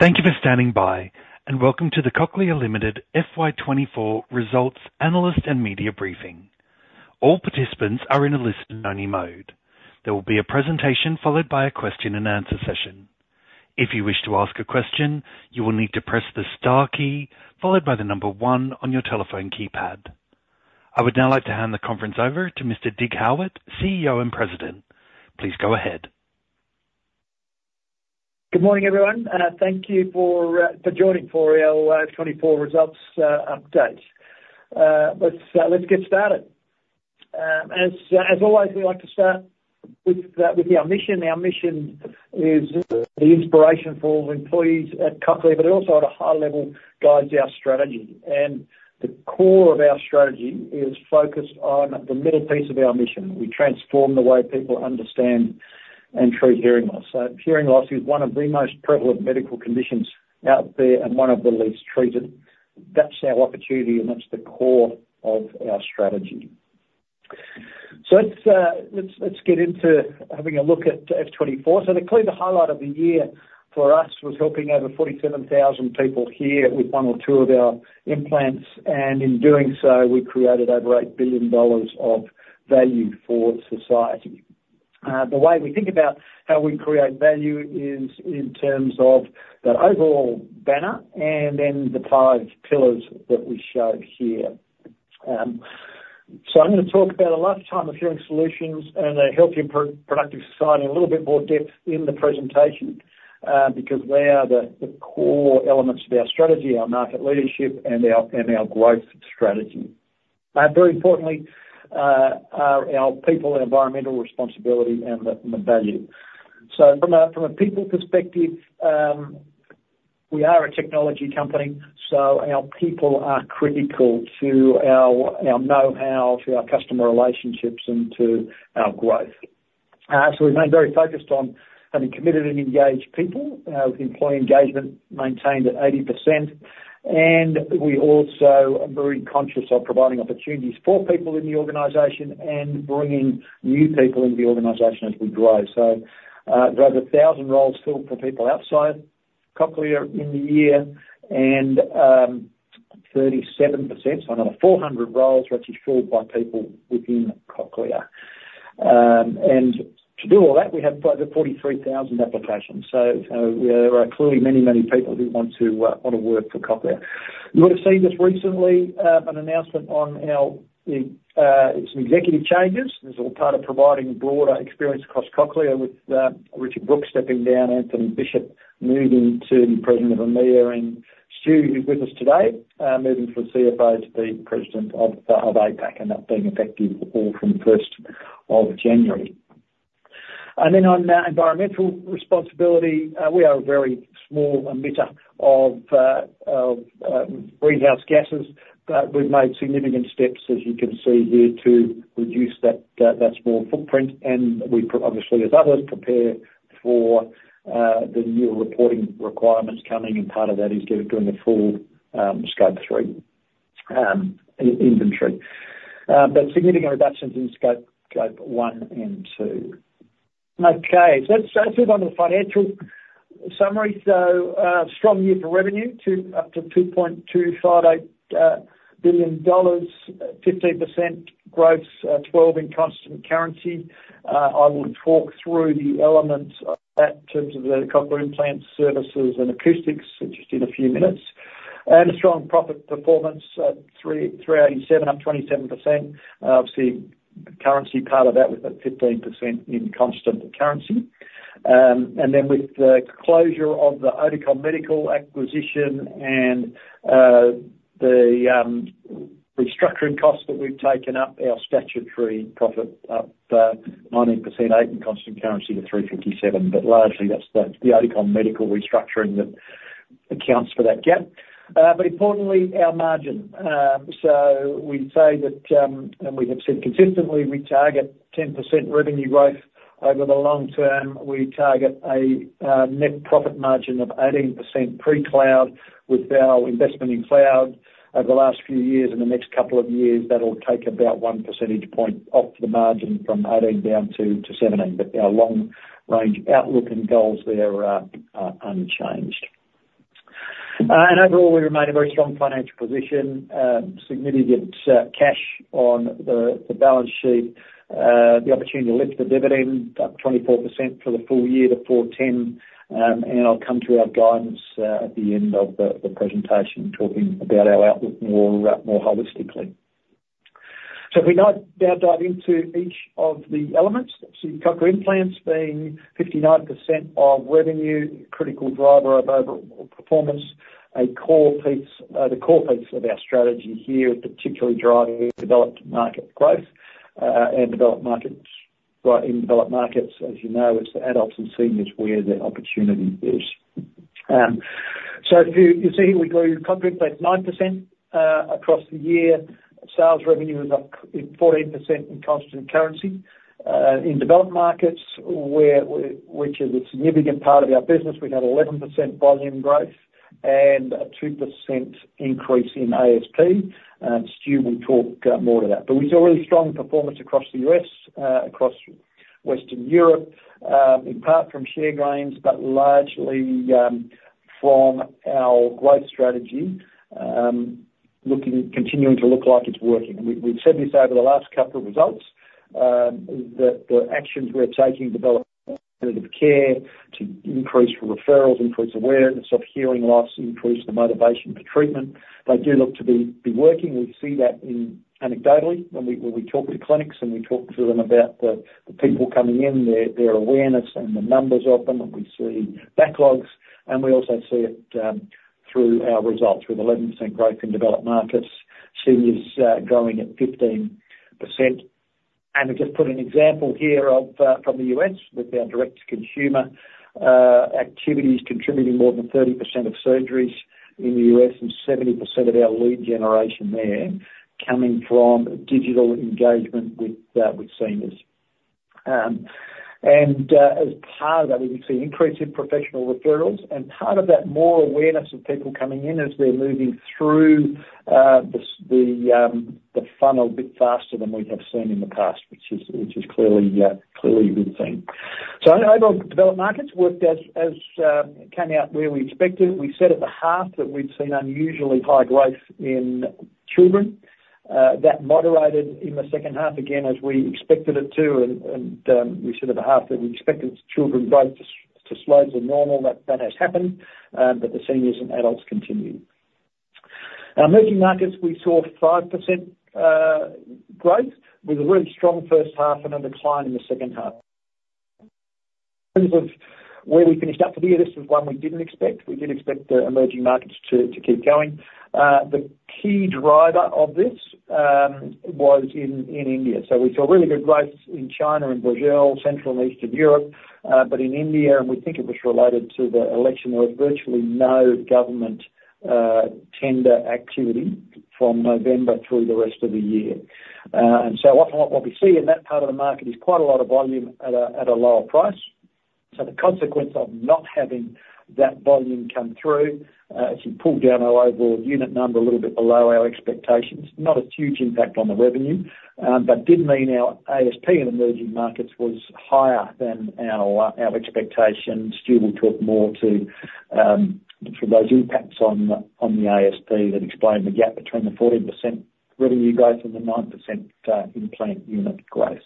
Thank you for standing by, and welcome to the Cochlear Limited FY 2024 Results Analyst and Media Briefing. All participants are in a listen-only mode. There will be a presentation, followed by a question-and-answer session. If you wish to ask a question, you will need to press the star key, followed by the number one on your telephone keypad. I would now like to hand the conference over to Mr. Dig Howitt, CEO and President. Please go ahead. Good morning, everyone, thank you for, for joining for our FY 2024 results, update. Let's, let's get started. As, as always, we like to start with, with our mission. Our mission is the inspiration for employees at Cochlear, but it also, at a high level, guides our strategy. And the core of our strategy is focused on the middle piece of our mission: We transform the way people understand and treat hearing loss. So hearing loss is one of the most prevalent medical conditions out there and one of the least treated. That's our opportunity, and that's the core of our strategy. So let's, let's, let's get into having a look at FY 2024. So the clear highlight of the year for us was helping over 47,000 people hear with one or two of our implants, and in doing so, we created over 8 billion dollars of value for society. The way we think about how we create value is in terms of that overall banner and then the five pillars that we show here. So I'm gonna talk about a lifetime of hearing solutions and a healthy, productive society in a little bit more depth in the presentation, because they are the core elements of our strategy, our market leadership, and our growth strategy. Very importantly, our people, environmental responsibility, and the value. So from a people perspective, we are a technology company, so our people are critical to our know-how, to our customer relationships, and to our growth. So we remain very focused on having committed and engaged people, with employee engagement maintained at 80%. And we also are very conscious of providing opportunities for people in the organization and bringing new people into the organization as we grow. So there was 1,000 roles filled for people outside Cochlear in the year, and 37%, so another 400 roles, were actually filled by people within Cochlear. And to do all that, we had over 43,000 applications. So there are clearly many, many people who want to work for Cochlear. You would've seen just recently an announcement on our some executive changes. This is all part of providing broader experience across Cochlear with Richard Brook stepping down, Anthony Bishop moving to President of EMEA, and Stu, who's with us today, moving from CFO to the President of APAC, and that being effective all from the first of January. Then on environmental responsibility, we are a very small emitter of greenhouse gases, but we've made significant steps, as you can see here, to reduce that small footprint. And we obviously, as others prepare for the new reporting requirements coming, and part of that is doing a full Scope 3 inventory. But significant reductions in Scope 1 and 2. Okay, so let's move on to the financial summary. Strong year for revenue up to 2.258 billion dollars, 15% gross, 12% in constant currency. I will talk through the elements of that in terms of the cochlear implants, services, and acoustics just in a few minutes. Strong profit performance, 387, up 27%. Obviously, currency part of that with the 15% in constant currency. And then with the closure of the Oticon Medical acquisition and the restructuring costs that we've taken up, our statutory profit up 19%, 8% in constant currency to 357. But largely that's the Oticon Medical restructuring that accounts for that gap. But importantly, our margin. So we say that, and we have said consistently, we target 10% revenue growth over the long term. We target a net profit margin of 18% pre-cloud. With our investment in cloud over the last few years and the next couple of years, that'll take about one percentage point off the margin from 18 down to 17, but our long-range outlook and goals there are unchanged. And overall, we remain in a very strong financial position, significant cash on the balance sheet, the opportunity to lift the dividend up 24% for the full year to 410. And I'll come to our guidance at the end of the presentation, talking about our outlook more holistically. So if we now dive into each of the elements. So cochlear implants being 59% of revenue, critical driver of overall performance, a core piece. The core piece of our strategy here, particularly driving developed market growth, and developed markets. Right, in developed markets, as you know, it's the adults and seniors where the opportunity is. So if you see here, we grew cochlear implants 9% across the year. Sales revenue was up 14% in constant currency. In developed markets, where which is a significant part of our business, we had 11% volume growth and a 2% increase in ASP, and Stu will talk more to that. But we saw really strong performance across the U.S., across Western Europe, in part from share gains, but largely, from our growth strategy, looking, continuing to look like it's working. And we've said this over the last couple of results, that the actions we're taking to develop positive care, to increase referrals, increase awareness of hearing loss, increase the motivation for treatment, they do look to be working. We see that anecdotally when we talk to clinics, and we talk to them about the people coming in, their awareness and the numbers of them, and we see backlogs, and we also see it through our results, with 11% growth in developed markets, seniors growing at 15%. And I just put an example here of from the U.S., with our direct-to-consumer activities contributing more than 30% of surgeries in the U.S., and 70% of our lead generation there coming from digital engagement with seniors. As part of that, we see increasing professional referrals, and part of that, more awareness of people coming in as they're moving through the funnel a bit faster than we have seen in the past, which is clearly a good thing. So, in overall developed markets, it worked as we expected. It came out where we expected. We said at the half that we'd seen unusually high growth in children. That moderated in the second half, again, as we expected it to, and we said at the half that we expected children growth to slow to normal. That has happened, but the seniors and adults continued. In our emerging markets, we saw 5% growth, with a really strong first half and a decline in the second half. In terms of where we finished up for the year, this is one we didn't expect. We did expect the emerging markets to keep going. The key driver of this was in India. So we saw really good growth in China and Brazil, Central and Eastern Europe, but in India, and we think it was related to the election, there was virtually no government tender activity from November through the rest of the year. And so what we see in that part of the market is quite a lot of volume at a lower price. So the consequence of not having that volume come through actually pulled down our overall unit number a little bit below our expectations. Not a huge impact on the revenue, but did mean our ASP in emerging markets was higher than our, our expectations. Stu will talk more to, for those impacts on, on the ASP that explain the gap between the 14% revenue growth and the 9%, implant unit growth.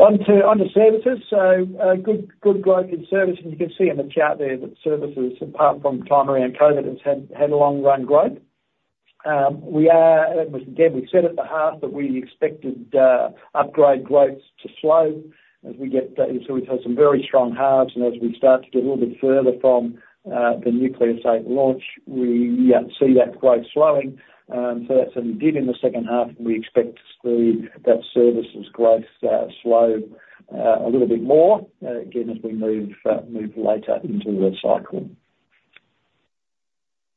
On the services, good, good growth in services. You can see in the chart there that services, apart from the time around COVID, has had, had a long run growth. We are, again, we said at the half that we expected, upgrade growth to slow as we get, so we've had some very strong halves, and as we start to get a little bit further from, the Nucleus 8 launch, we, see that growth slowing. So that's a dip in the second half, and we expect to see that services growth slow a little bit more again, as we move later into the cycle.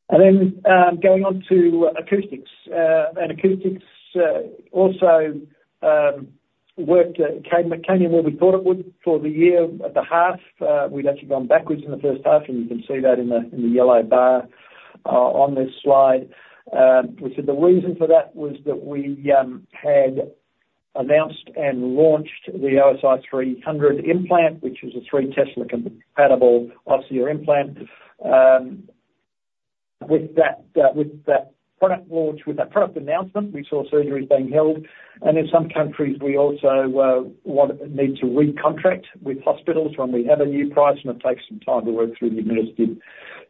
And then going on to Acoustics. And Acoustics also came in where we thought it would for the year at the half. We'd actually gone backwards in the first half, and you can see that in the yellow bar on this slide. We said the reason for that was that we had announced and launched the OSI300 implant, which is a three Tesla compatible Osia implant. With that product launch, with that product announcement, we saw surgeries being held, and in some countries, we also need to recontract with hospitals when we have a new price, and it takes some time to work through the administrative.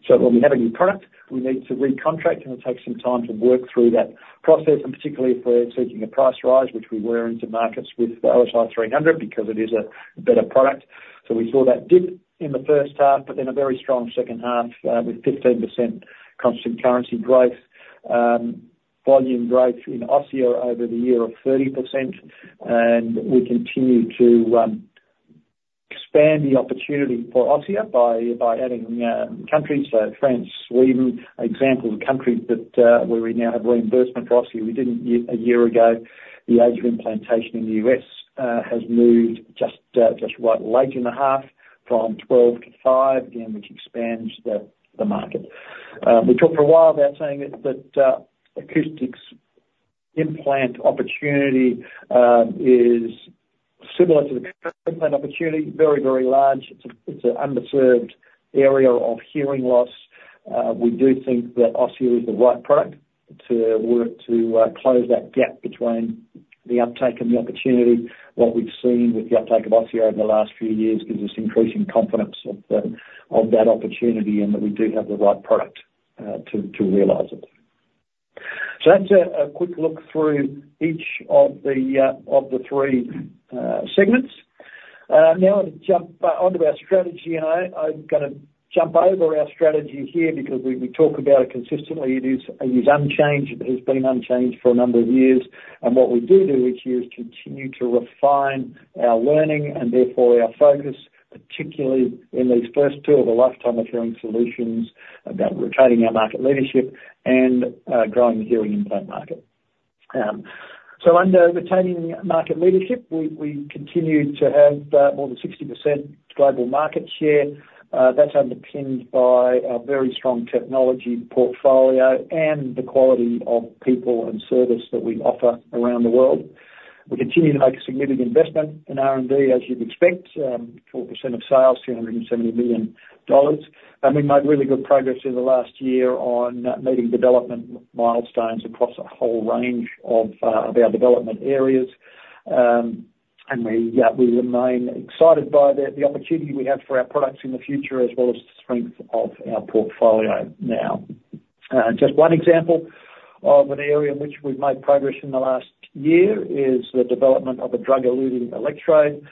So when we have a new product, we need to recontract, and it takes some time to work through that process, and particularly if we're seeking a price rise, which we were into markets with the OSI300, because it is a better product. So we saw that dip in the first half, but then a very strong second half, with 15% constant currency growth, volume growth in Osia over the year of 30%. And we continue to expand the opportunity for Osia by adding countries, so France, Sweden, example of countries that where we now have reimbursement for Osia. We didn't a year ago. The age of implantation in the U.S. has moved just right late in the half, from 12 to five, again, which expands the market. We talked for a while about saying that that Acoustics implant opportunity is similar to the implant opportunity, very, very large. It's a underserved area of hearing loss. We do think that Osia is the right product to work to close that gap between the uptake and the opportunity. What we've seen with the uptake of Osia over the last few years gives us increasing confidence of that opportunity and that we do have the right product to realize it. So that's a quick look through each of the three segments. Now to jump onto our strategy, and I'm gonna jump over our strategy here because we talk about it consistently. It is unchanged. It has been unchanged for a number of years, and what we do each year is continue to refine our learning and therefore our focus, particularly in these first two, of the lifetime of hearing solutions, about retaining our market leadership and growing the hearing implant market. So under retaining market leadership, we continue to have more than 60% global market share. That's underpinned by our very strong technology portfolio and the quality of people and service that we offer around the world. We continue to make a significant investment in R&D, as you'd expect, 4% of sales, 270 million dollars. We made really good progress in the last year on meeting development milestones across a whole range of our development areas. We remain excited by the opportunity we have for our products in the future, as well as the strength of our portfolio now. Just one example of an area in which we've made progress in the last year is the development of a drug-eluting electrode.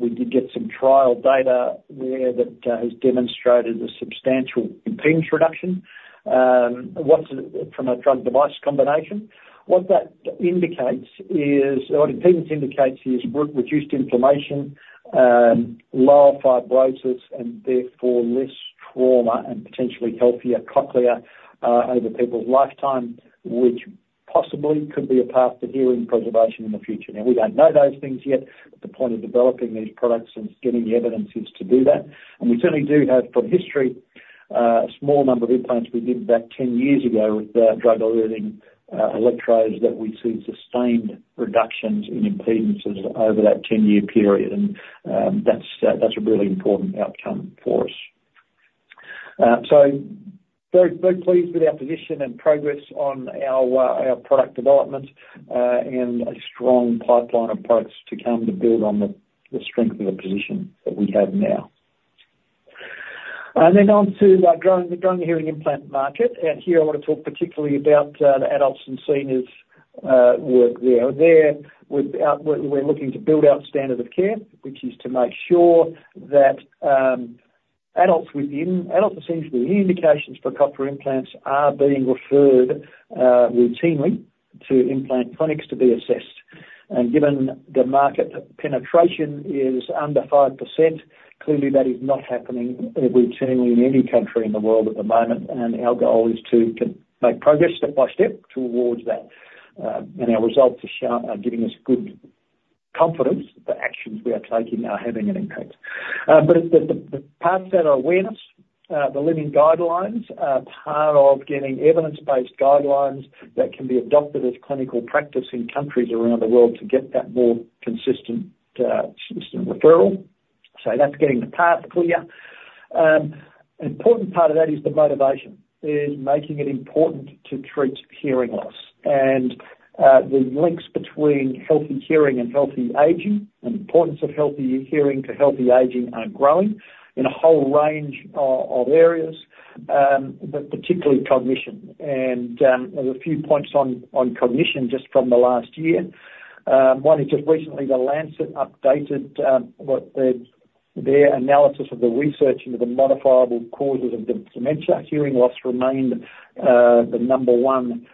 We did get some trial data there that has demonstrated a substantial impedance reduction from a drug device combination. What that indicates is... What impedance indicates is reduced inflammation, lower fibrosis, and therefore less trauma and potentially healthier cochlear over people's lifetime, which possibly could be a path to hearing preservation in the future. Now, we don't know those things yet, but the point of developing these products and getting the evidence is to do that. And we certainly do have, from history, a small number of implants we did about 10 years ago with the drug-eluting electrodes, that we see sustained reductions in impedances over that 10-year period. And that's a really important outcome for us. So very, very pleased with our position and progress on our product development and a strong pipeline of products to come to build on the strength of the position that we have now. And then on to our growing hearing implant market. Here, I want to talk particularly about the adults and seniors work there. There, we're looking to build out standard of care, which is to make sure that adults with senior indications for cochlear implants are being referred routinely to implant clinics to be assessed. Given the market penetration is under 5%, clearly that is not happening routinely in any country in the world at the moment, and our goal is to make progress step by step towards that. Our results are giving us good confidence that the actions we are taking are having an impact. But the parts that are awareness, the Living Guidelines are part of getting evidence-based guidelines that can be adopted as clinical practice in countries around the world to get that more consistent system referral. So that's getting the path clear. An important part of that is the motivation, is making it important to treat hearing loss. And the links between healthy hearing and healthy aging, and the importance of healthy hearing to healthy aging are growing in a whole range of areas, but particularly cognition. And there were a few points on cognition just from the last year. One is just recently, The Lancet updated what their analysis of the research into the modifiable causes of dementia. Hearing loss remained the number one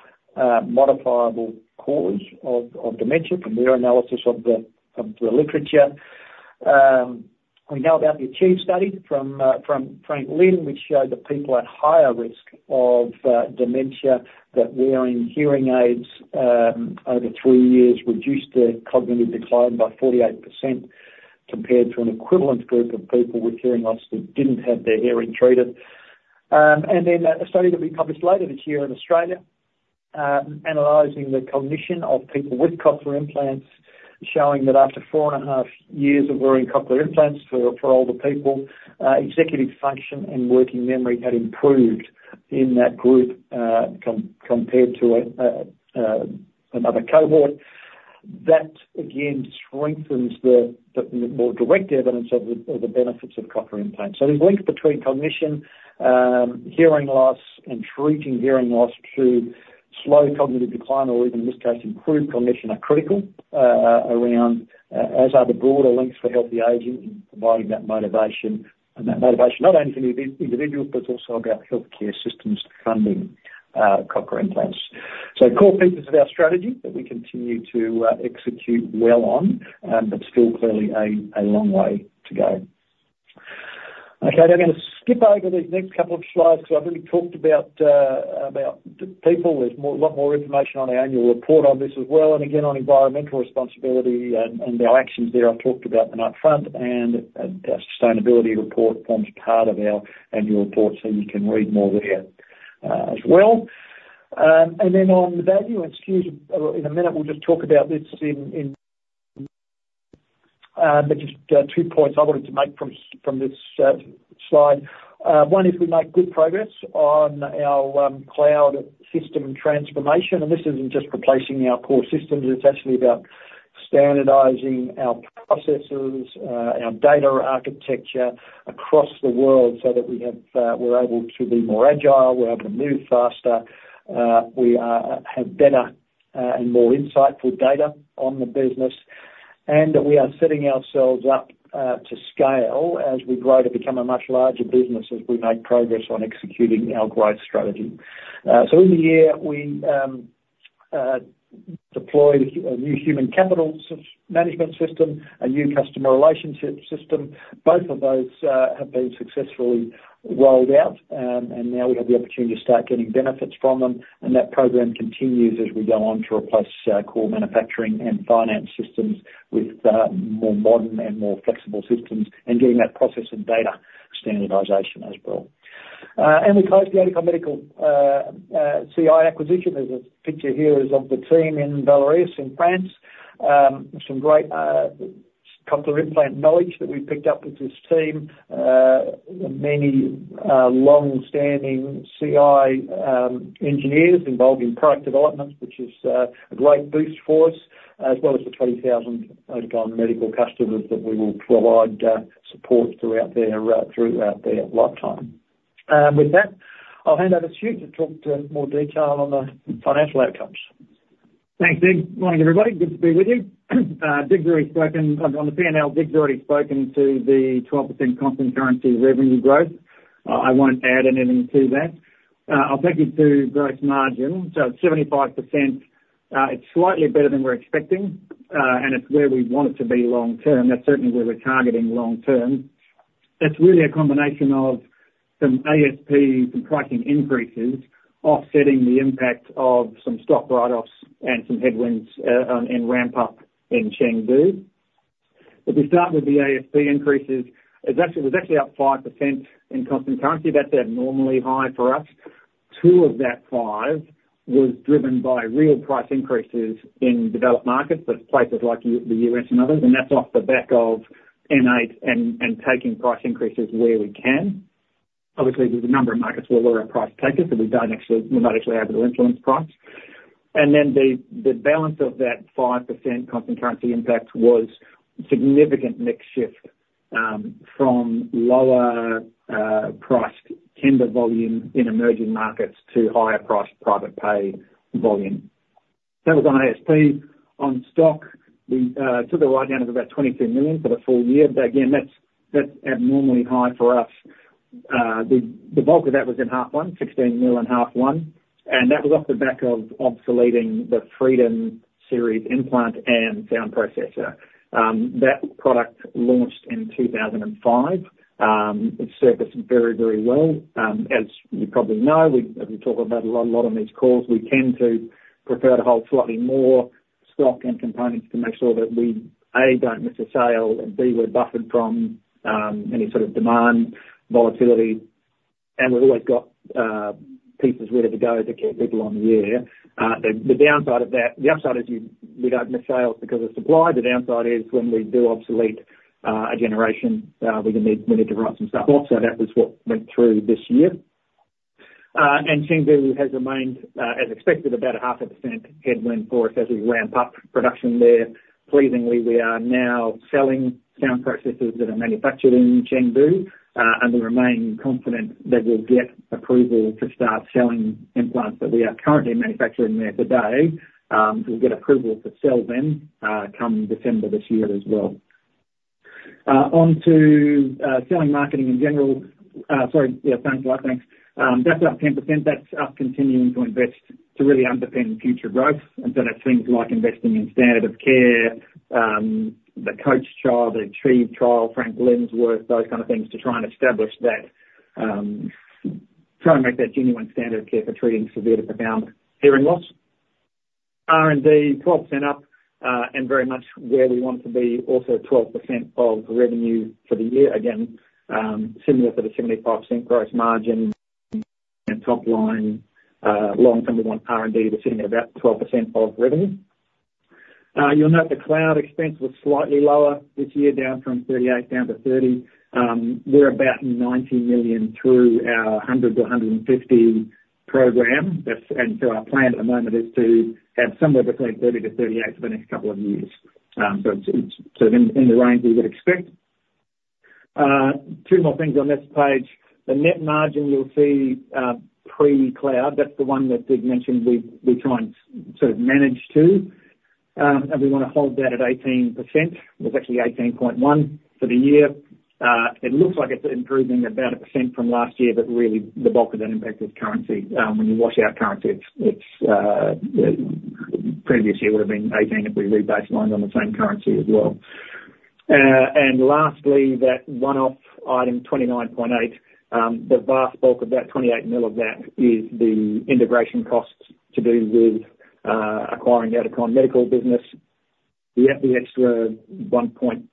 modifiable cause of dementia from their analysis of the literature. We know about the ACHIEVE study from Frank Lin, which showed that people at higher risk of dementia, that wearing hearing aids over three years reduced their cognitive decline by 48%, compared to an equivalent group of people with hearing loss that didn't have their hearing treated. And then a study to be published later this year in Australia, analyzing the cognition of people with cochlear implants, showing that after 4.5 years of wearing cochlear implants for older people, executive function and working memory had improved in that group, compared to another cohort. That, again, strengthens the more direct evidence of the benefits of cochlear implants. So these links between cognition, hearing loss, and treating hearing loss to slow cognitive decline, or even in this case, improve cognition, are critical, around, as are the broader links for healthy aging and providing that motivation, and that motivation not only for the individuals, but it's also about healthcare systems funding, cochlear implants. So core pieces of our strategy that we continue to execute well on, but still clearly a long way to go. Okay, I'm gonna skip over these next couple of slides because I've already talked about about the people. There's a lot more information on our annual report on this as well. Again, on environmental responsibility and our actions there, I've talked about them up front, and sustainability report forms part of our annual report, so you can read more there, as well. And then on the value and skills, in a minute, we'll just talk about this. But just two points I wanted to make from this slide. One is we make good progress on our cloud system transformation, and this isn't just replacing our core systems, it's actually about standardizing our processes, our data architecture across the world so that we have, we're able to be more agile, we're able to move faster, we have better and more insightful data on the business. We are setting ourselves up to scale as we grow to become a much larger business, as we make progress on executing our growth strategy. So in the year, we deployed a new human capital management system, a new customer relationship system. Both of those have been successfully rolled out, and now we have the opportunity to start getting benefits from them, and that program continues as we go on to replace core manufacturing and finance systems with more modern and more flexible systems, and getting that process and data standardization as well. And we closed the Oticon Medical CI acquisition. There's a picture here of the team in Vallauris in France. Some great cochlear implant knowledge that we've picked up with this team. Many long-standing CI engineers involved in product development, which is a great boost for us, as well as the 20,000 Oticon Medical customers that we will provide support throughout their lifetime. With that, I'll hand over to Stu to talk to more detail on the financial outcomes. Thanks, Dig. Morning, everybody. Good to be with you. Dig's already spoken on the P&L, Dig's already spoken to the 12% constant currency revenue growth. I won't add anything to that. I'll take you to gross margin. So 75%, it's slightly better than we're expecting, and it's where we want it to be long term. That's certainly where we're targeting long term. It's really a combination of some ASP, some pricing increases, offsetting the impact of some stock write-offs and some headwinds on ramp-up in Chengdu. If we start with the ASP increases, it's actually, it was actually up 5% in constant currency. That's abnormally high for us. Two of that 5 was driven by real price increases in developed markets, but places like the U.S. and others, and that's off the back of N8 and taking price increases where we can. Obviously, there's a number of markets where we're a price taker, so we don't actually, we're not actually able to influence price. And then the balance of that 5% constant currency impact was significant mix shift from lower priced tender volume in emerging markets to higher priced private pay volume. That was on ASP. On stock, we took a write-down of about 22 million for the full year, but again, that's abnormally high for us. The bulk of that was in half one, 16 million in half one, and that was off the back of obsoleting the Freedom Series implant and sound processor. That product launched in 2005. It served us very, very well. As you probably know, we talk about a lot on these calls, we tend to prefer to hold slightly more stock and components to make sure that we, A, don't miss a sale, and B, we're buffered from any sort of demand volatility, and we've always got pieces ready to go to keep people on the air. The downside of that. The upside is we don't miss sales because of supply. The downside is when we do obsolete a generation, we're gonna need, we need to write some stuff off. So that was what went through this year. And Chengdu has remained, as expected, about a half a percent headwind for us as we ramp up production there. Pleasingly, we are now selling sound processors that are manufactured in Chengdu, and we remain confident that we'll get approval to start selling implants that we are currently manufacturing there today, to get approval to sell them, come December this year as well. Onto selling, marketing in general... Sorry, yeah, sounds like, thanks. That's up 10%. That's us continuing to invest to really underpin future growth. That's things like investing in standard of care, the COACH trial, ACHIEVE trial, Frank Lin, those kind of things, to try and establish that, try and make that genuine standard of care for treating severe to profound hearing loss. R&D, 12% up, and very much where we want to be, also 12% of revenue for the year. Again, similar to the 75% gross margin and top line, long term, we want R&D to sit at about 12% of revenue. You'll note the cloud expense was slightly lower this year, down from 38 million down to 30 million. We're about 90 million through our 100 million and 150 million program. That's, and so our plan at the moment is to have somewhere between 30 to 38 million for the next couple of years. So it's sort of in the range we would expect. Two more things on this page. The net margin you'll see, pre-cloud, that's the one that Dig mentioned we try and sort of manage to, and we want to hold that at 18%. It was actually 18.1 for the year. It looks like it's improving about 1% from last year, but really the bulk of that impact is currency. When you wash out currency, it's previous year would have been 18 if we rebaselined on the same currency as well. And lastly, that one-off item, 29.8 million, the vast bulk of that 28 million of that is the integration costs to do with acquiring the Oticon Medical business. The extra 1.8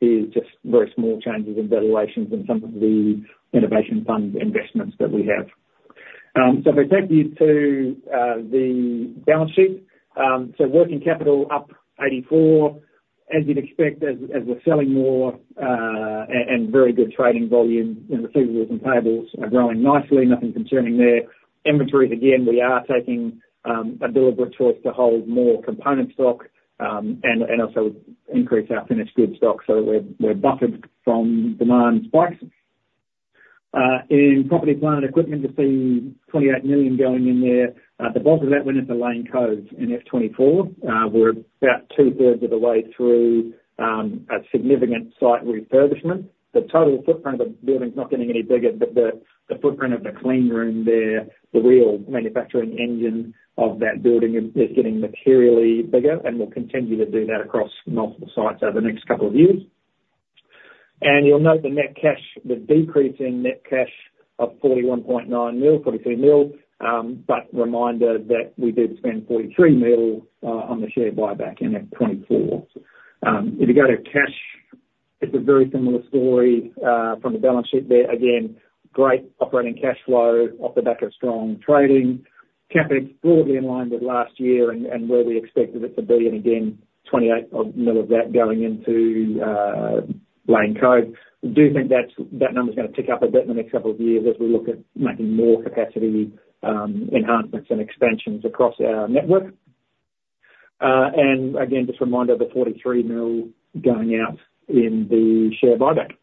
is just very small changes in valuations and some of the innovation fund investments that we have. So if I take you to the balance sheet, working capital up 84, as you'd expect, as we're selling more and very good trading volume, and receivables and payables are growing nicely. Nothing concerning there. Inventories, again, we are taking a deliberate choice to hold more component stock and also increase our finished good stock, so we're buffered from demand spikes. In property, plant, and equipment, you'll see 28 million going in there. The bulk of that went into Lane Cove in FY 2024. We're about 2/3 of the way through a significant site refurbishment. The total footprint of the building is not getting any bigger, but the footprint of the clean room there, the real manufacturing engine of that building is getting materially bigger, and we'll continue to do that across multiple sites over the next couple of years. You'll note the net cash, the decrease in net cash of 41.9 million, 42 million, but reminder that we did spend 43 million on the share buyback in 2024. If you go to cash... It's a very similar story from the balance sheet there. Again, great operating cash flow off the back of strong trading. CapEx broadly in line with last year and where we expected it to be, and again, 28 million odd of that going into Lane Cove. We do think that number's gonna tick up a bit in the next couple of years as we look at making more capacity enhancements and expansions across our network. And again, just a reminder of the 43 million going out in the share buyback.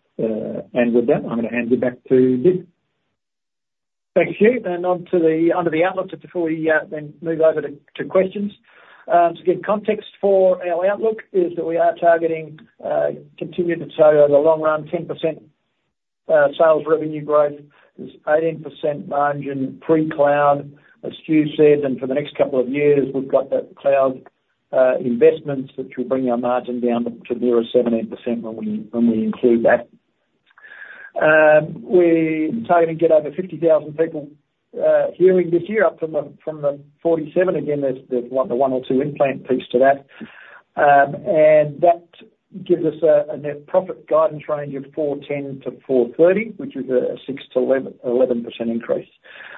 And with that, I'm gonna hand you back to Dig. Thank you, Stu, and on to the outlook before we then move over to questions. To give context for our outlook, is that we are targeting continuing to show the long run 10% sales revenue growth, there's 18% margin pre-cloud, as Stu said, and for the next couple of years, we've got the cloud investments, which will bring our margin down to nearer 17% when we include that. We're targeting to get over 50,000 people hearing this year, up from the 47,000. Again, there's the one or two implant piece to that. And that gives us a net profit guidance range of 410 to 430 million, which is a 6% to 11% increase.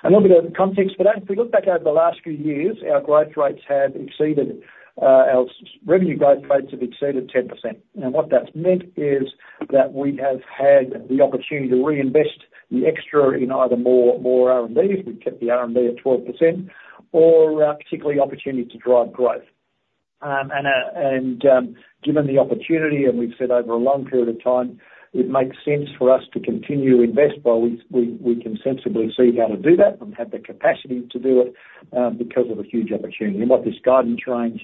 A little bit of context for that: If we look back over the last few years, our growth rates have exceeded our revenue growth rates have exceeded 10%. Now, what that's meant is that we have had the opportunity to reinvest the extra in either more R&D, we've kept the R&D at 12%, or particularly opportunity to drive growth. Given the opportunity, and we've said over a long period of time, it makes sense for us to continue to invest while we can sensibly see how to do that and have the capacity to do it, because of the huge opportunity. And what this guidance range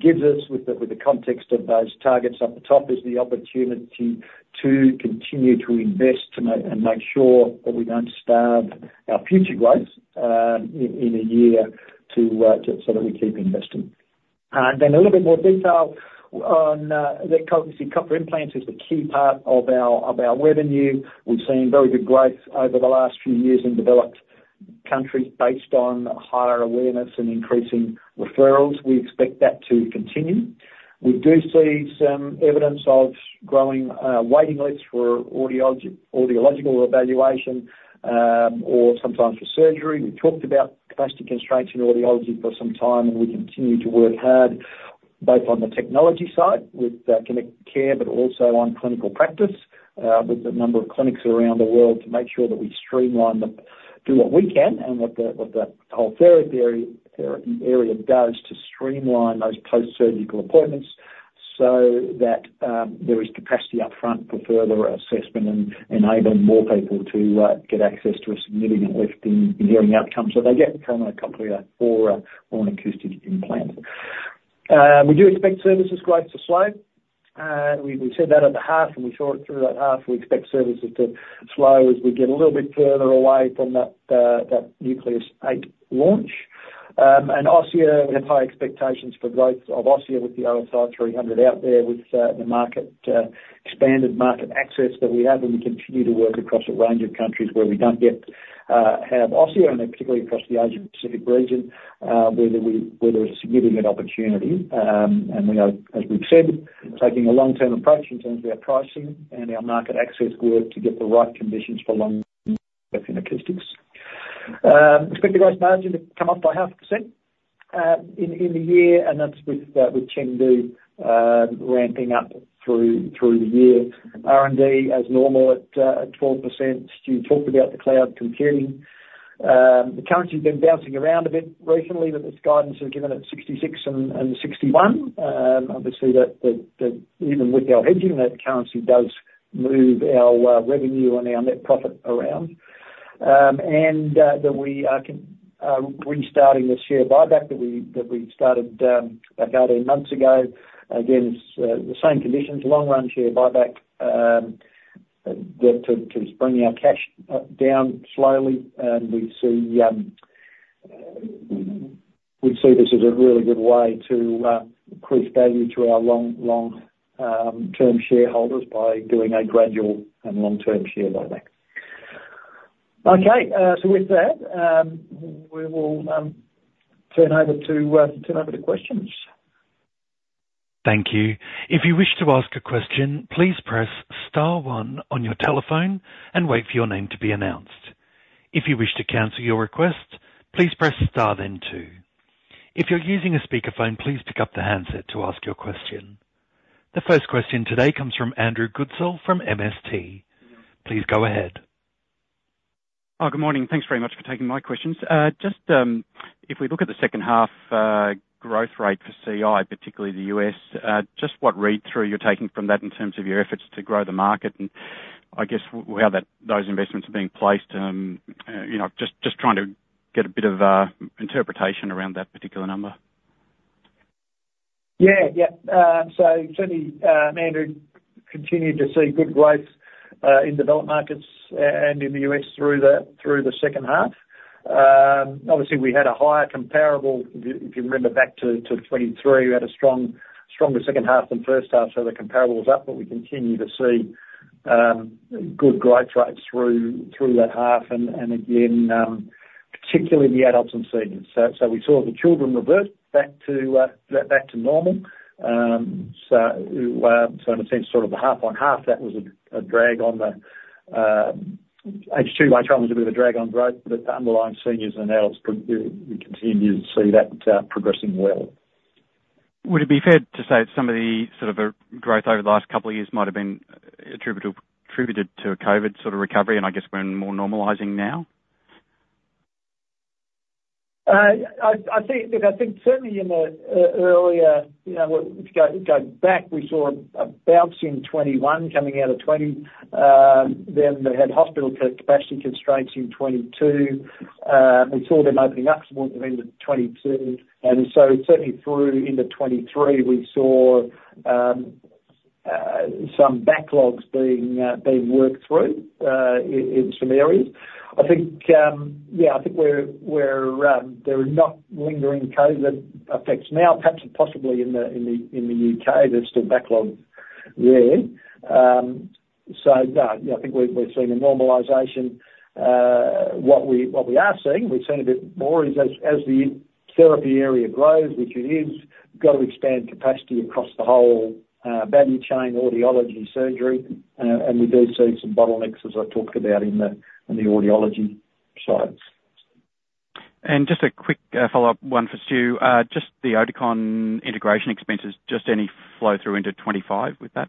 gives us, with the context of those targets at the top, is the opportunity to continue to invest, and make sure that we don't starve our future growth, in a year to so that we keep investing. And then a little bit more detail on that Cochlear cochlear implants is the key part of our revenue. We've seen very good growth over the last few years in developed countries based on higher awareness and increasing referrals. We expect that to continue. We do see some evidence of growing waiting lists for audiological evaluation, or sometimes for surgery. We've talked about capacity constraints in audiology for some time, and we continue to work hard both on the technology side with Connected Care, but also on clinical practice, with a number of clinics around the world, to make sure that we streamline the. Do what we can and what the whole therapy area does to streamline those post-surgical appointments, so that there is capacity up front for further assessment and enabling more people to get access to a significant lift in hearing outcomes, so they get a cochlear or an acoustic implant. We do expect services growth to slow. We said that at the half, and we saw it through that half. We expect services to slow as we get a little bit further away from that Nucleus 8 launch. Osia, we have high expectations for growth of Osia with the OSI300 out there, with the expanded market access that we have, and we continue to work across a range of countries where we don't yet have Osia, and particularly across the Asia Pacific region, where there's a significant opportunity. We are, as we've said, taking a long-term approach in terms of our pricing and our market access work to get the right conditions for long-term in acoustics. Expect the gross margin to come up by 0.5%, in the year, and that's with Chengdu ramping up through the year. R&D as normal at 12%. Stu talked about the cloud computing. The currency's been bouncing around a bit recently, but this guidance is given at 66 and 61. Obviously, that even with our hedging, that currency does move our revenue and our net profit around. And that we are restarting the share buyback that we started about 18 months ago. Again, it's the same conditions, long-run share buyback that to bring our cash down slowly, and we see this as a really good way to increase value to our long-term shareholders by doing a gradual and long-term share buyback. Okay, so with that, we will turn over to questions. Thank you. If you wish to ask a question, please press star one on your telephone and wait for your name to be announced. If you wish to cancel your request, please press star then two. If you're using a speakerphone, please pick up the handset to ask your question. The first question today comes from Andrew Goodsall from MST. Please go ahead. Good morning, and thanks very much for taking my questions. Just, if we look at the second half, growth rate for CI, particularly the U.S., just what read-through you're taking from that in terms of your efforts to grow the market, and I guess how that, those investments are being placed, you know, just, just trying to get a bit of, interpretation around that particular number. Yeah. Yeah. So certainly, Andrew, continued to see good growth in developed markets and in the U.S. through the second half. Obviously, we had a higher comparable, if you remember back to 2023, we had a strong, stronger second half than first half, so the comparable was up, but we continue to see good growth rates through that half. And again, particularly in the adults and seniors. So we saw the children revert back to normal. So in a sense, sort of a half on half, that was a drag on the H2. Albeit, it was a bit of a drag on growth, but the underlying seniors and adults, we continue to see that progressing well. Would it be fair to say that some of the sort of growth over the last couple of years might have been attributed, attributed to a COVID sort of recovery, and I guess we're in more normalizing now? I think, look, I think certainly in the earlier, you know, if you go back, we saw a bounce in 2021 coming out of 2020. Then they had hospital capacity constraints in 2022. We saw them opening up more in the end of 2022, and so certainly through into 2023, we saw some backlogs being worked through in some areas. I think, yeah, I think there are not lingering COVID effects now. Perhaps possibly in the U.K., there's still backlog there. So no, I think we've seen a normalization. What we are seeing, we've seen a bit more is as the therapy area grows, which it is, gotta expand capacity across the whole value chain, audiology, surgery. We do see some bottlenecks, as I talked about in the Acoustics side. And just a quick follow-up, one for Stu. Just the Oticon integration expenses, just any flow-through into 2025 with that?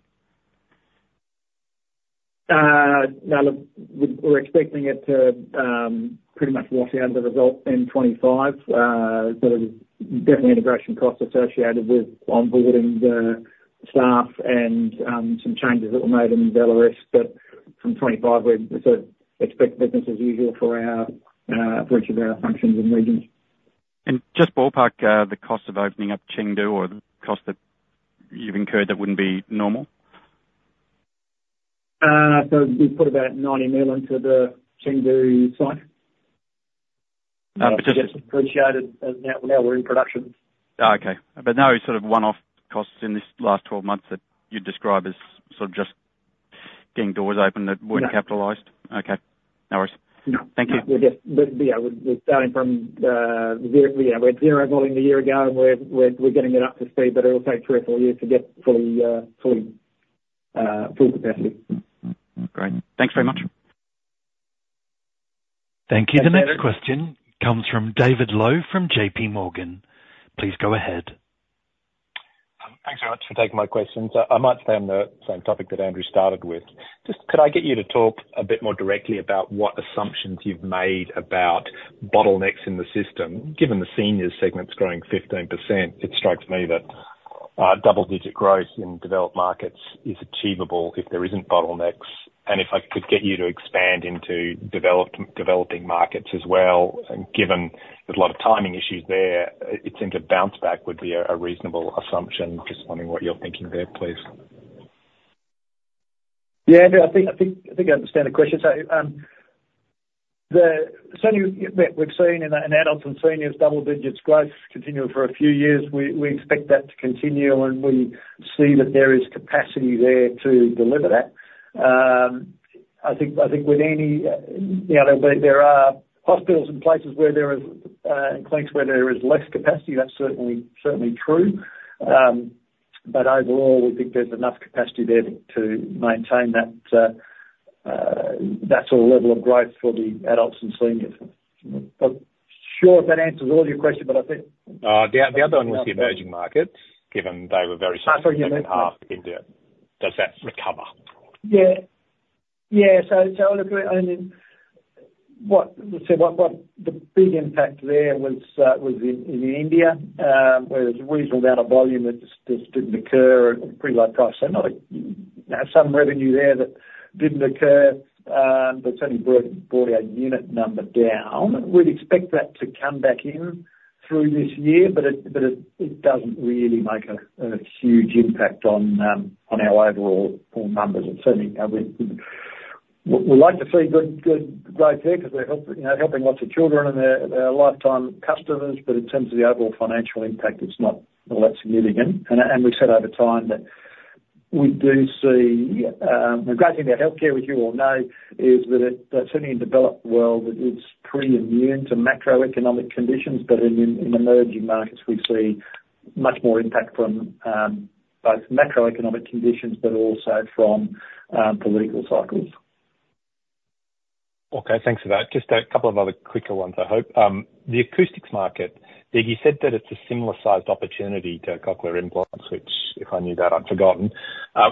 No, we're expecting it to pretty much wash out of the result in 2025. But there's definitely integration costs associated with onboarding the staff and some changes that were made in Vallauris. But from 2025, we sort of expect business as usual for each of our functions and regions. Just ballpark, the cost of opening up Chengdu or the cost that you've incurred that wouldn't be normal? We put about 90 million into the Chengdu site. But just- Appreciated, as now, now we're in production. Oh, okay. But no sort of one-off costs in this last 12 months that you'd describe as sort of just getting doors open that- No. Weren't capitalized? Okay, no worries. No. Thank you. But yeah, we're starting from zero. Yeah, we're zero volume a year ago, and we're getting it up to speed, but it'll take three or four years to get fully full capacity. Great. Thanks very much. Thank you. Thank you. The next question comes from David Low, from J.P. Morgan. Please go ahead. Thanks very much for taking my questions. I might stay on the same topic that Andrew started with. Just could I get you to talk a bit more directly about what assumptions you've made about bottlenecks in the system? Given the seniors segment is growing 15%, it strikes me that double digit growth in developed markets is achievable if there isn't bottlenecks. And if I could get you to expand into developed, developing markets as well, and given there's a lot of timing issues there, it seems a bounce back would be a reasonable assumption. Just wondering what you're thinking there, please. Yeah, Andrew, I think I understand the question. So, we've only seen in adults and seniors double-digit growth continuing for a few years. We expect that to continue, and we see that there is capacity there to deliver that. I think with any, you know, there are hospitals and places where there is and clinics where there is less capacity. That's certainly true. But overall, we think there's enough capacity there to maintain that sort of level of growth for the adults and seniors. I'm not sure if that answers all your questions, but I think- The other one was the emerging markets, given they were very- I see. Half into it. Does that recover? Yeah. Yeah, so look, I mean, what the big impact there was was in India, where there was a reasonable amount of volume that just didn't occur at pretty low price. So not some revenue there that didn't occur, but certainly brought our unit number down. We'd expect that to come back in through this year, but it doesn't really make a huge impact on our overall numbers. It certainly, we like to see good growth there because we're helping, you know, helping lots of children and their lifetime customers. But in terms of the overall financial impact, it's not all that significant. And we've said over time that we do see the great thing about healthcare, as you all know, is that it certainly in the developed world, it's pretty immune to macroeconomic conditions. But in emerging markets, we see much more impact from both macroeconomic conditions, but also from political cycles. Okay, thanks for that. Just a couple of other quicker ones, I hope. The Acoustics market, you said that it's a similar-sized opportunity to Cochlear implants, which if I knew that, I'd forgotten.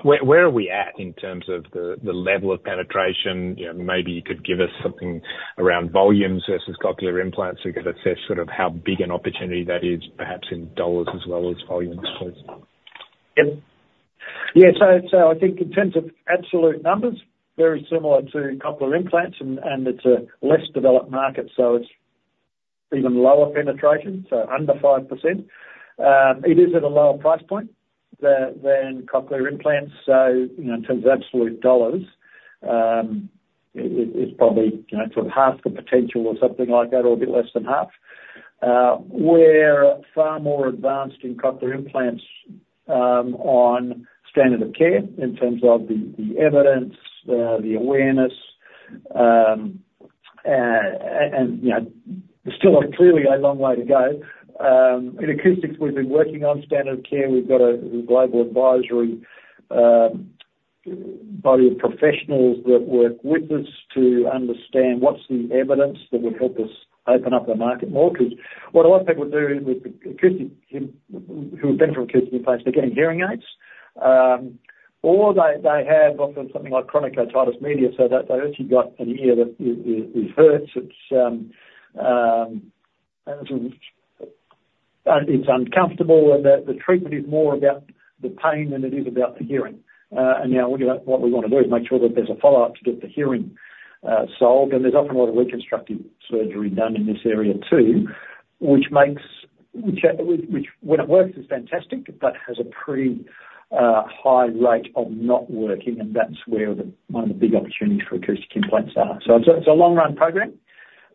Where are we at in terms of the level of penetration? You know, maybe you could give us something around volumes versus Cochlear implants. We could assess sort of how big an opportunity that is, perhaps in dollars as well as volumes, please. Yep. Yeah, so, so I think in terms of absolute numbers, very similar to Cochlear implants, and, and it's a less developed market, so it's even lower penetration, so under 5%. It is at a lower price point than, than Cochlear implants. So, you know, in terms of absolute dollars, it, it's probably, you know, sort of half the potential or something like that, or a bit less than half. We're far more advanced in Cochlear implants on standard of care, in terms of the, the evidence, the awareness, and, and, you know, there's still clearly a long way to go. In Acoustics, we've been working on standard of care. We've got a global advisory body of professionals that work with us to understand what's the evidence that would help us open up the market more. 'Cause what a lot of people do with acoustic, who have been through acoustic implants, they're getting hearing aids. Or they have often something like chronic otitis media, so that they've actually got an ear that it hurts, it's uncomfortable, and the treatment is more about the pain than it is about the hearing. And now what we wanna do is make sure that there's a follow-up to get the hearing solved, and there's often a lot of reconstructive surgery done in this area, too, which when it works, it's fantastic, but has a pretty high rate of not working, and that's where one of the big opportunities for acoustic implants are. So it's a long-run program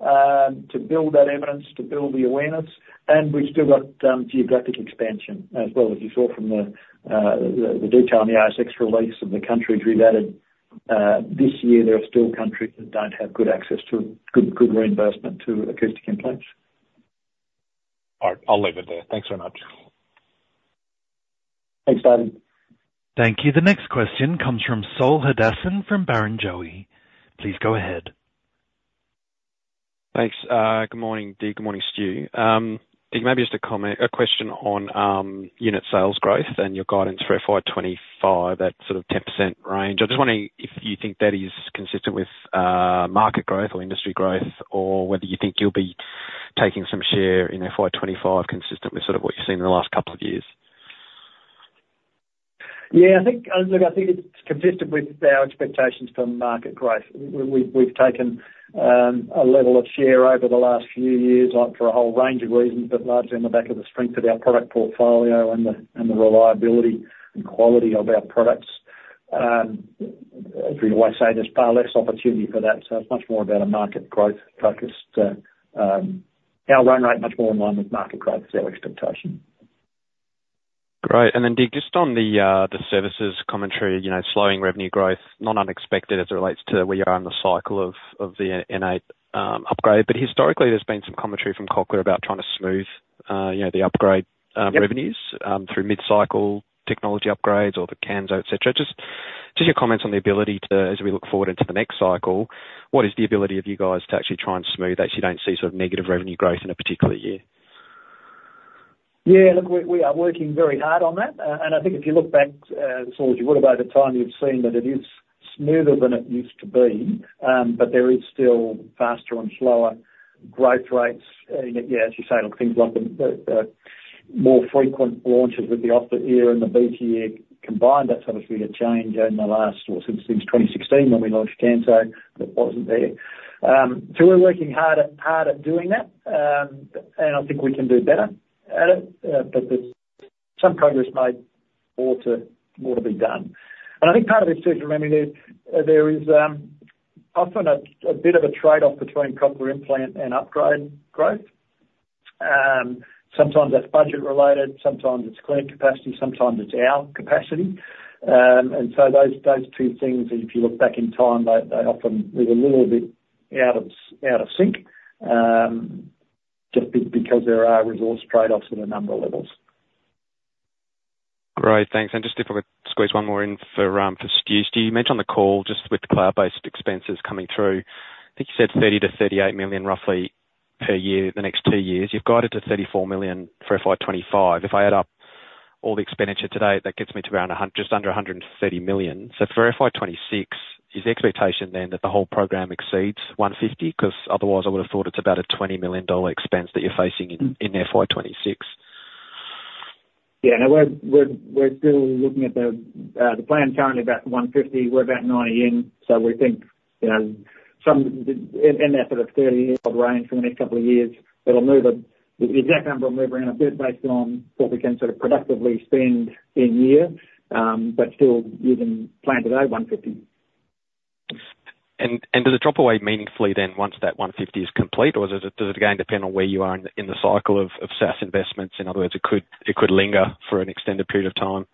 to build that evidence, to build the awareness, and we've still got geographic expansion as well, as you saw from the detail in the ASX release. Of the countries we've added this year, there are still countries that don't have good access to good reimbursement to acoustic implants. All right. I'll leave it there. Thanks very much. Thanks, David. Thank you. The next question comes from Saul Hadassin from Barrenjoey. Please go ahead. Thanks. Good morning, Dig. Good morning, Stu. Dig, maybe just a comment, a question on, unit sales growth and your guidance for FY 2025, that sort of 10% range. I'm just wondering if you think that is consistent with, market growth or industry growth, or whether you think you'll be taking some share in FY 2025, consistent with sort of what you've seen in the last couple of years? Yeah, I think, look, I think it's consistent with our expectations for market growth. We've taken a level of share over the last few years for a whole range of reasons, but largely on the back of the strength of our product portfolio and the, and the reliability and quality of our products. If you always say there's far less opportunity for that, so it's much more about a market growth focus to our run rate, much more in line with market growth is our expectation. Great. Then, Dig, just on the services commentary, you know, slowing revenue growth, not unexpected as it relates to where you are in the cycle of the N8 upgrade. But historically, there's been some commentary from Cochlear about trying to smooth, you know, the upgrade- Yep revenues through mid-cycle technology upgrades or the Kanso, et cetera. Just your comments on the ability to, as we look forward into the next cycle, what is the ability of you guys to actually try and smooth, actually don't see sort of negative revenue growth in a particular year? Yeah, look, we are working very hard on that. And I think if you look back, as well as you would have over time, you've seen that it is smoother than it used to be. But there is still faster and slower growth rates in it. Yeah, as you say, look, things like the more frequent launches with the Osia and the BTE combined, that's obviously a change in the last or since 2016 when we launched Kanso, that wasn't there. So we're working hard at doing that. And I think we can do better at it, but there's some progress made, more to be done. And I think part of it, too, remember there is often a bit of a trade-off between cochlear implant and upgrade growth. Sometimes that's budget-related, sometimes it's clinic capacity, sometimes it's our capacity. And so those, those two things, if you look back in time, they, they often are a little bit out of sync, just because there are resource trade-offs at a number of levels. Great, thanks. Just if I could squeeze one more in for Stu. Stu, you mentioned on the call just with the cloud-based expenses coming through, I think you said 30 to 38 million, roughly, per year, the next two years. You've guided to 34 million for FY 2025. If I add up all the expenditure today, that gets me to just under 130 million. So for FY 2026, is the expectation then that the whole program exceeds 150 million? 'Cause otherwise, I would have thought it's about a 20 million dollar expense that you're facing in- Mm-hmm... in FY 2026. Yeah, no, we're still looking at the plan currently about 150 million. We're about 90 in, so we think, you know, some in that sort of 30-year-old range for the next couple of years, it'll move a bit. The exact number will move around a bit based on what we can sort of productively spend in year, but still, using the plan today, 150 million. Does it drop away meaningfully then, once that 150 million is complete? Or does it again depend on where you are in the cycle of SaaS investments? In other words, it could linger for an extended period of time.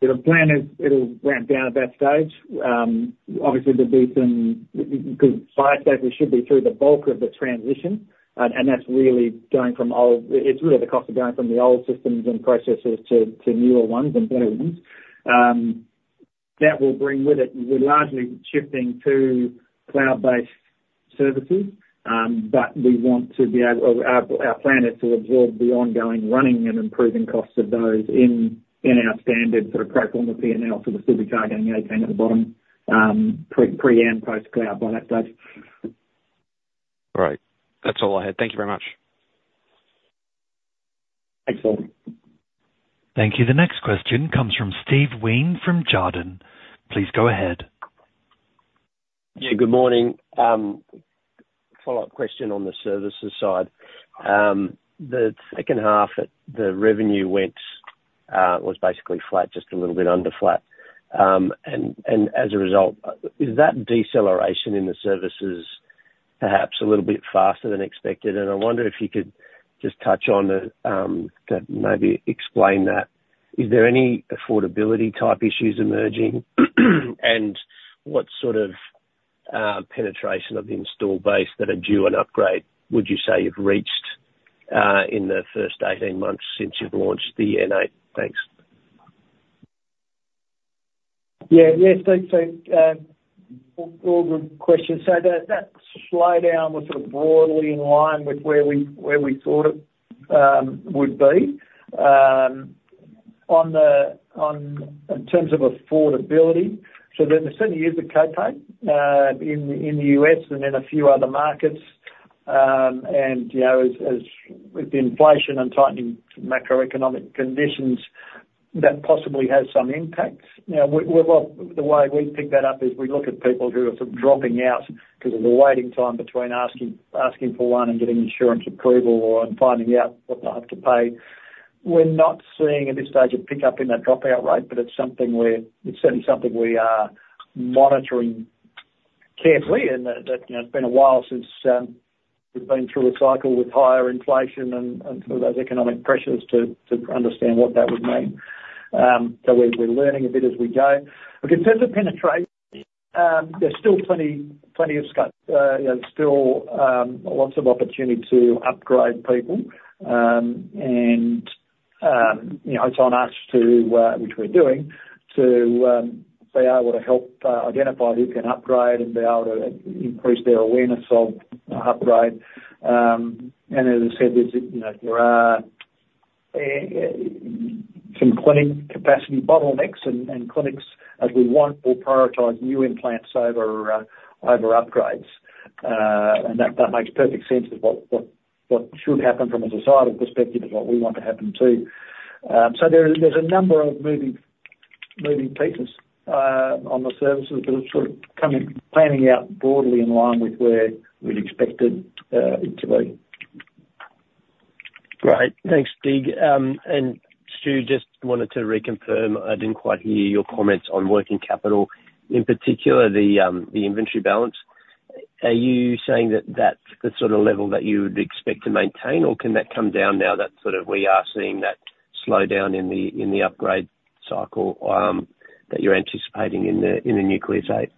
The plan is it'll ramp down at that stage. Obviously, there'll be some, because by that stage, we should be through the bulk of the transition, and that's really going from old. It's really the cost of going from the old systems and processes to newer ones and better ones. That will bring with it, we're largely shifting to cloud-based services, but we want to be able...well, our plan is to absorb the ongoing running and improving costs of those in our standard sort of pro forma PNL for the future, gaining the 18 at the bottom, pre- and post-cloud by that stage. All right. That's all I had. Thank you very much. Thanks, Saul. Thank you. The next question comes from Steve Wheen from Jarden. Please go ahead. Yeah, good morning. A follow-up question on the services side. The second half, the revenue was basically flat, just a little bit under flat. And as a result, is that deceleration in the services perhaps a little bit faster than expected, and I wonder if you could just touch on that, to maybe explain that. Is there any affordability type issues emerging? And what sort of penetration of the installed base that are due an upgrade, would you say you've reached, in the first 18 months since you've launched the N8? Thanks. Yeah. Yeah, Steve. So, all good questions. So that slowdown was sort of broadly in line with where we thought it would be. In terms of affordability, so there certainly is a co-pay in the U.S. and in a few other markets. And, you know, as with the inflation and tightening macroeconomic conditions, that possibly has some impacts. Now, well, the way we pick that up is we look at people who are sort of dropping out because of the waiting time between asking for one and getting insurance approval, or finding out what they'll have to pay. We're not seeing, at this stage, a pickup in that dropout rate, but it's something we are monitoring carefully, and that, you know, it's been a while since we've been through a cycle with higher inflation and some of those economic pressures to understand what that would mean. So we're learning a bit as we go. But in terms of penetration, there's still plenty, plenty of scope. You know, still, lots of opportunity to upgrade people, and, you know, it's on us to, which we're doing, to be able to help identify who can upgrade and be able to increase their awareness of an upgrade. And as I said, there's, you know, there are some clinic capacity bottlenecks and clinics, as we want, will prioritize new implants over upgrades. And that makes perfect sense of what should happen from a societal perspective, is what we want to happen, too. So there is, there's a number of moving pieces on the services, but it's sort of coming panning out broadly in line with where we'd expected it to be. Great. Thanks, Dig. And Stu, just wanted to reconfirm, I didn't quite hear your comments on working capital, in particular, the inventory balance. Are you saying that that's the sort of level that you would expect to maintain, or can that come down now that sort of we are seeing that slowdown in the upgrade cycle that you're anticipating in the Nucleus 8?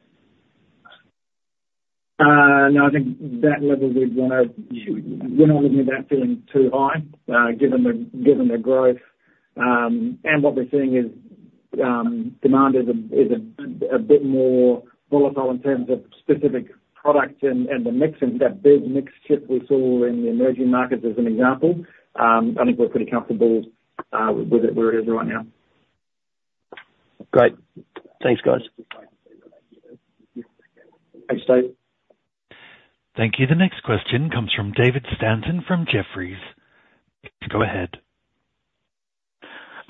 No, I think that level, we'd wanna we're not looking at that feeling too high, given the growth, and what we're seeing is, demand is a bit more volatile in terms of specific products and the mix, and that big mix shift we saw in the emerging markets as an example. I think we're pretty comfortable with it, where it is right now. Great. Thanks, guys. Thanks, Steve. Thank you. The next question comes from David Stanton from Jefferies. Go ahead.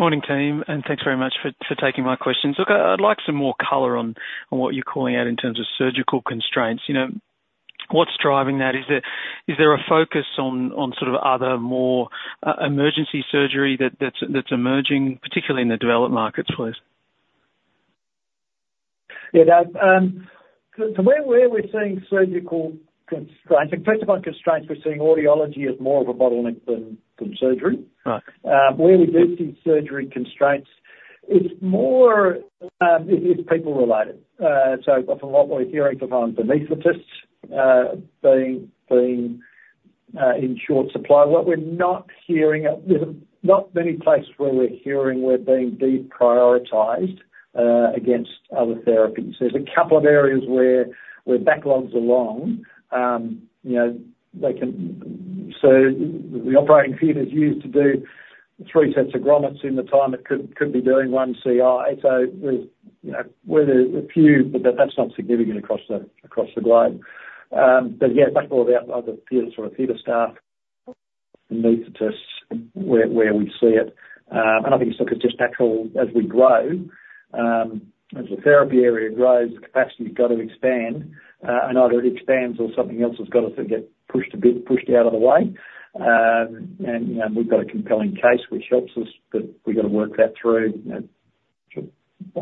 Morning, team, and thanks very much for taking my questions. Look, I'd like some more color on what you're calling out in terms of surgical constraints. You know, what's driving that? Is there a focus on sort of other, more, emergency surgery that's emerging, particularly in the developed markets first? Yeah, David, so where we're seeing surgical constraints, and first of all, constraints, we're seeing audiology as more of a bottleneck than surgery. Right. Where we do see surgery constraints, it's more, it is people-related. So from what we're hearing from anesthetists being in short supply. What we're not hearing, there's not many places where we're hearing we're being deprioritized against other therapies. There's a couple of areas where backlogs are long, you know, they can. So the operating theater is used to do three sets of grommets in the time it could be doing one CI. So there's, you know, where there are a few, but that, that's not significant across the globe. But yeah, that's more about other theater, sort of, theater staff needs to where we see it. I think it's just natural as we grow, as the therapy area grows, the capacity has got to expand, and either it expands or something else has got to sort of get pushed a bit, pushed out of the way. You know, we've got a compelling case which helps us, but we've got to work that through, you know,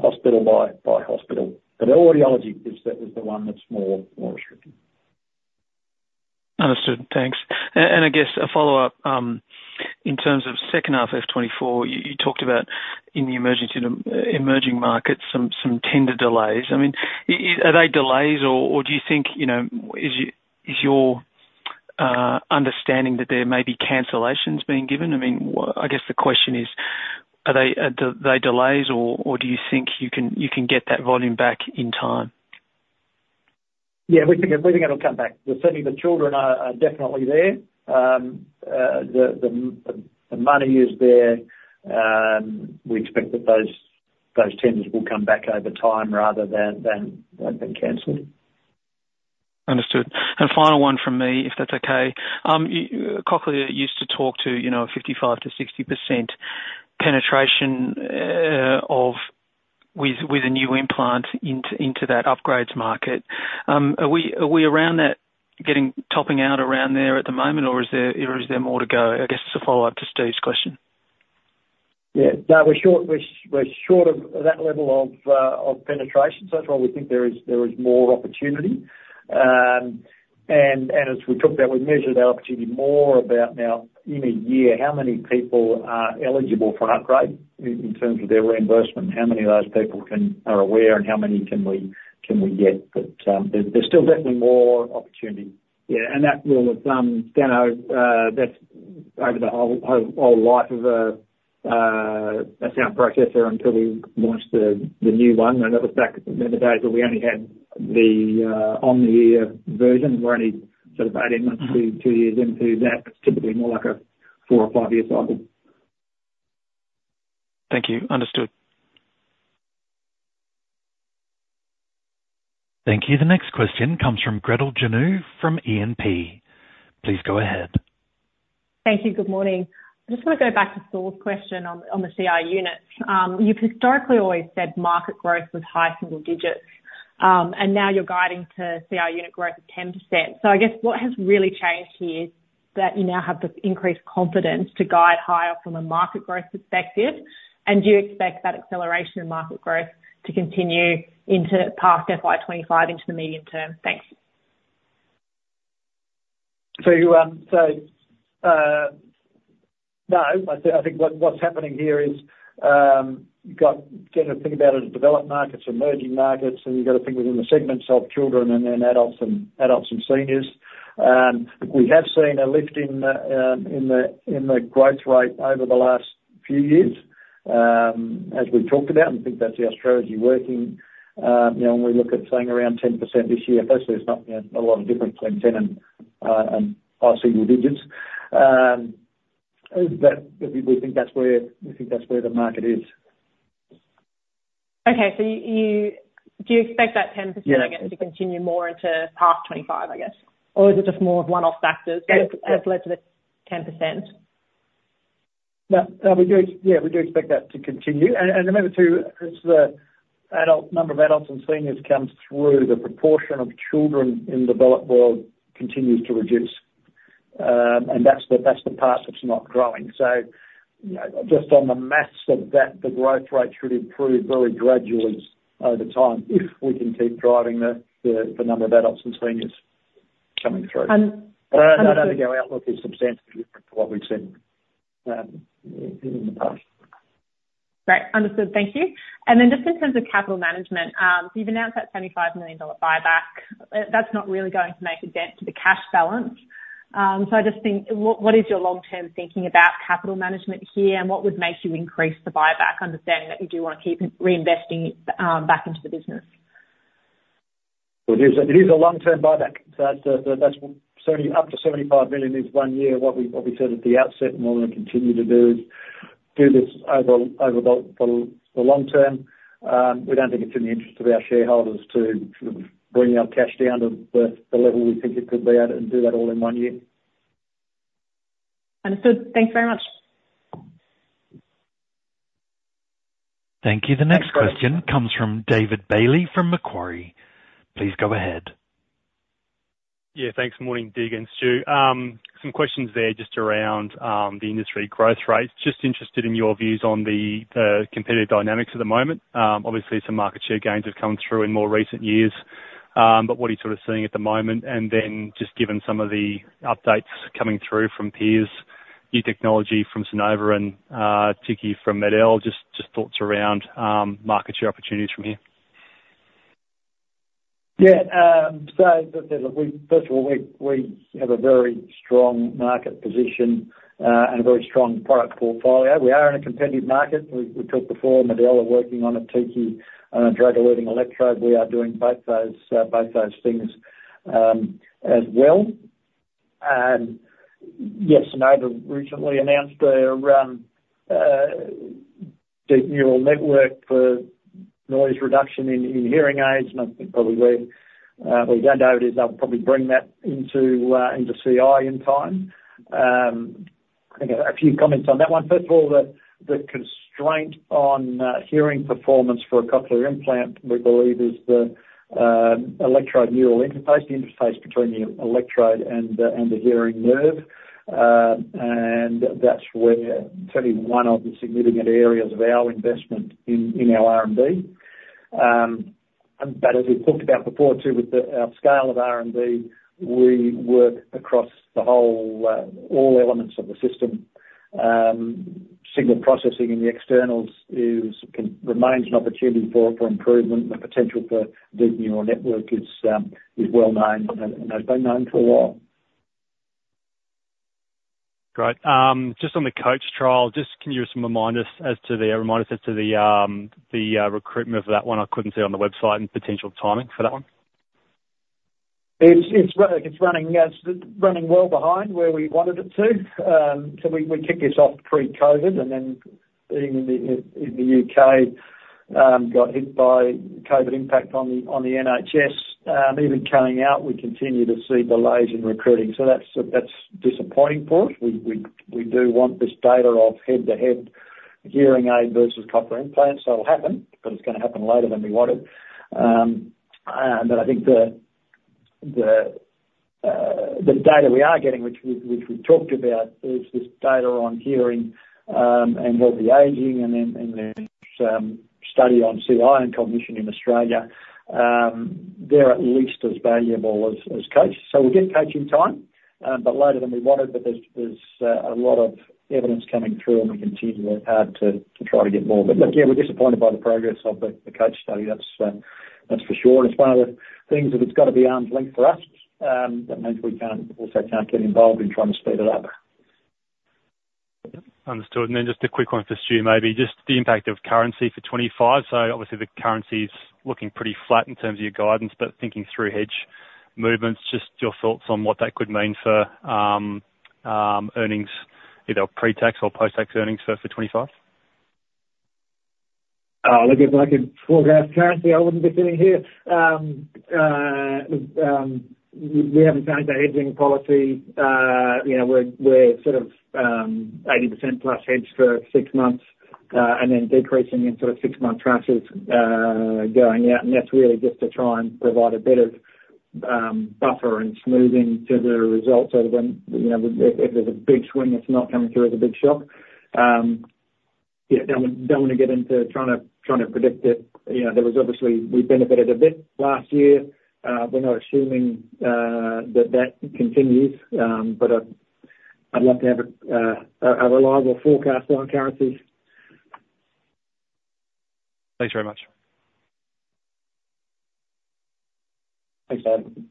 hospital by hospital. But audiology is the one that's more restricted. Understood. Thanks. I guess a follow-up, in terms of second half of 2024, you talked about in the emerging markets, some tender delays. I mean, are they delays, or do you think. You know, is your understanding that there may be cancellations being given? I mean, what I guess the question is, are they delays, or do you think you can get that volume back in time? Yeah, we think it'll come back. Certainly, the children are definitely there. The money is there. We expect that those tenders will come back over time rather than canceled. Understood. Final one from me, if that's okay. Cochlear used to talk to, you know, 55% 60% penetration of with a new implant into that upgrades market. Are we around that getting topping out around there at the moment, or is there more to go? I guess, as a follow-up to Steve's question. Yeah, no, we're short, we're short of that level of penetration, so that's why we think there is more opportunity. And as we talked about, we measured our opportunity more about now, in a year, how many people are eligible for an upgrade in terms of their reimbursement? How many of those people are aware, and how many can we get? But there's still definitely more opportunity. Yeah, and that will, you know, that's over the whole life of a sound processor until we launched the new one, and that was back in the days where we only had the omnidirectional version. We're only sort of 18 months to two years into that. It's typically more like a four or five-year cycle. Thank you. Understood. Thank you. The next question comes from Gretel Janu from Evans & Partners. Please go ahead. Thank you. Good morning. I just wanna go back to Saul's question on the CI units. You've historically always said market growth was high single digits, and now you're guiding to CI unit growth of 10%. So I guess, what has really changed here that you now have this increased confidence to guide higher from a market growth perspective? And do you expect that acceleration in market growth to continue into past FY 2025 into the medium term? Thanks. No, I think what’s happening here is, you’ve got to think about it as developed markets, emerging markets, and you’ve got to think within the segments of children and then adults and adults and seniors. We have seen a lift in the growth rate over the last few years, as we’ve talked about, and think that’s our strategy working. You know, when we look at saying around 10% this year, firstly, there’s not, you know, a lot of difference between 10 and higher single digits. That, we think that’s where we think that’s where the market is. Okay, so... Do you expect that 10%? Yeah I guess, to continue more into past 25, I guess? Or is it just more of one-off factors Yeah Has led to the 10%? No, yeah, we do expect that to continue. And remember, too, as the adult number of adults and seniors comes through, the proportion of children in the developed world continues to reduce. And that's the part that's not growing. So, you know, just on the math of that, the growth rate should improve very gradually over time, if we can keep driving the number of adults and seniors coming through. And, and- I don't think our outlook is substantially different to what we've seen in the past. Great, understood. Thank you. And then just in terms of capital management, so you've announced that 75 million dollar buyback. That's not really going to make a dent to the cash balance. So I just think, what is your long-term thinking about capital management here, and what would make you increase the buyback? Understanding that you do wanna keep reinvesting back into the business. Well, it is a long-term buyback, so that's 70 million up to 75 million is one year. What we said at the outset, and what we'll continue to do is do this over the long term. We don't think it's in the interest of our shareholders to sort of bring our cash down to the level we think it could be at, and do that all in one year. Understood. Thank you very much. Thank you. The next question comes from David Bailey from Macquarie. Please go ahead. Yeah, thanks. Morning, Dig and Stu. Some questions there just around the industry growth rates. Just interested in your views on the competitive dynamics at the moment. Obviously, some market share gains have come through in more recent years, but what are you sort of seeing at the moment? And then just given some of the updates coming through from peers, new technology from Sonova and TICI from Med-El, thoughts around market share opportunities from here. Yeah, so, look, first of all, we have a very strong market position, and a very strong product portfolio. We are in a competitive market. We talked before, Med-El are working on a TICI, drug-eluting electrode. We are doing both those things, as well. And yes, Sonova recently announced a deep neural network for noise reduction in hearing aids, and I think probably where we don't know is they'll probably bring that into CI in time. I think a few comments on that one. First of all, the constraint on hearing performance for a cochlear implant, we believe, is the electrode neural interface, the interface between the electrode and the hearing nerve. And that's where certainly one of the significant areas of our investment in our R&D. But as we've talked about before, too, with our scale of R&D, we work across the whole, all elements of the system. Signal processing in the externals remains an opportunity for improvement. The potential for deep neural network is well known and has been known for a while. Great. Just on the COACH trial, just can you just remind us as to the recruitment for that one? I couldn't see on the website, and potential timing for that one. It's running, yes, running well behind where we wanted it to. So we kicked this off pre-COVID, and then being in the U.K., got hit by COVID impact on the NHS. Even coming out, we continue to see delays in recruiting, so that's disappointing for us. We do want this data of head-to-head, hearing aid versus cochlear implants. That'll happen, but it's gonna happen later than we wanted. But I think the data we are getting, which we've talked about, is this data on hearing and healthy aging, and then some study on CI and cognition in Australia. They're at least as valuable as COACH. So we'll get COACH in time, but later than we wanted. But there's a lot of evidence coming through, and we continue to work hard to try to get more. But look, yeah, we're disappointed by the progress of the COACH study. That's for sure. And it's one of the things that it's got to be arm's length for us, that means we can't also get involved in trying to speed it up. Understood. And then just a quick one for Stu, maybe just the impact of currency for 2025. So obviously, the currency's looking pretty flat in terms of your guidance, but thinking through hedge movements, just your thoughts on what that could mean for earnings, either pre-tax or post-tax earnings for 2025? Look, if I could forecast currency, I wouldn't be sitting here. We haven't changed our hedging policy. You know, we're sort of 80%+ hedged for six months, and then decreasing into a six-month tranche, going out, and that's really just to try and provide a bit of buffer and smoothing to the results. So when, you know, if there's a big swing, it's not coming through as a big shock. Yeah, don't want to get into trying to predict it. You know, there was obviously, we benefited a bit last year. We're not assuming that that continues, but I'd love to have a reliable forecast on currencies. Thanks very much. Thanks, David.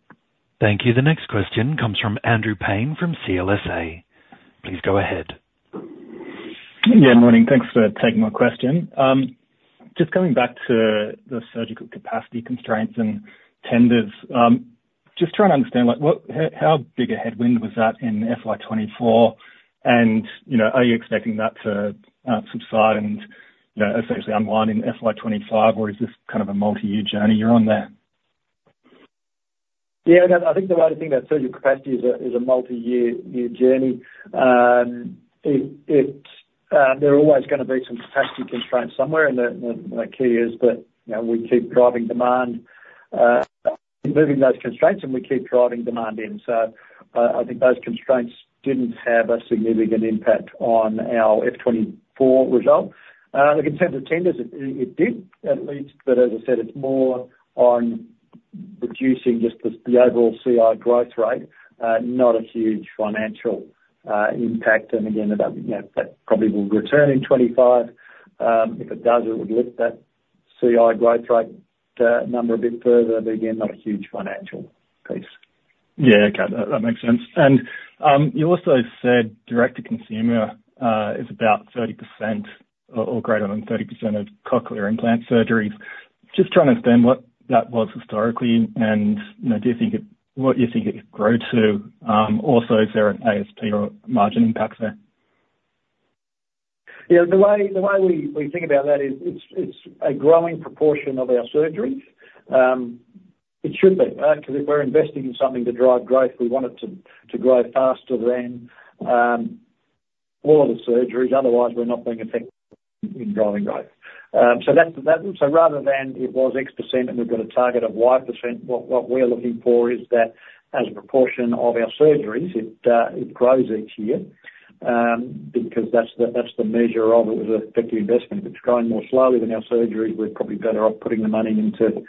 Thank you. The next question comes from Andrew Paine from CLSA. Please go ahead. Yeah, morning. Thanks for taking my question. Just coming back to the surgical capacity constraints and tenders, just trying to understand, like, what, how, how big a headwind was that in FY 2024? And, you know, are you expecting that to subside and, you know, essentially unwind in FY 2025, or is this kind of a multi-year journey you're on there? Yeah, no, I think the only thing that surgical capacity is a, is a multi-year, year journey. There are always gonna be some capacity constraints somewhere, and the key is that, you know, we keep driving demand, removing those constraints, and we keep driving demand in. So I think those constraints didn't have a significant impact on our FY 2024 results. In terms of tenders, it did, at least, but as I said, it's more on reducing just the overall CI growth rate, not a huge financial impact, and again, that, you know, that probably will return in 2025. If it does, it would lift that CI growth rate number a bit further, but again, not a huge financial piece. Yeah, okay. That, that makes sense. And, you also said direct-to-consumer is about 30% or greater than 30% of Cochlear implant surgeries. Just trying to understand what that was historically, and, you know, do you think it? What do you think it could grow to? Also, is there an ASP or margin impact there? Yeah, the way we think about that is, it's a growing proportion of our surgeries. It should be because if we're investing in something to drive growth, we want it to grow faster than all of the surgeries, otherwise we're not being effective in driving growth. So that's. So rather than it was X% and we've got a target of Y%, what we're looking for is that as a proportion of our surgeries, it grows each year, because that's the measure of it as an effective investment. If it's growing more slowly than our surgeries, we're probably better off putting the money into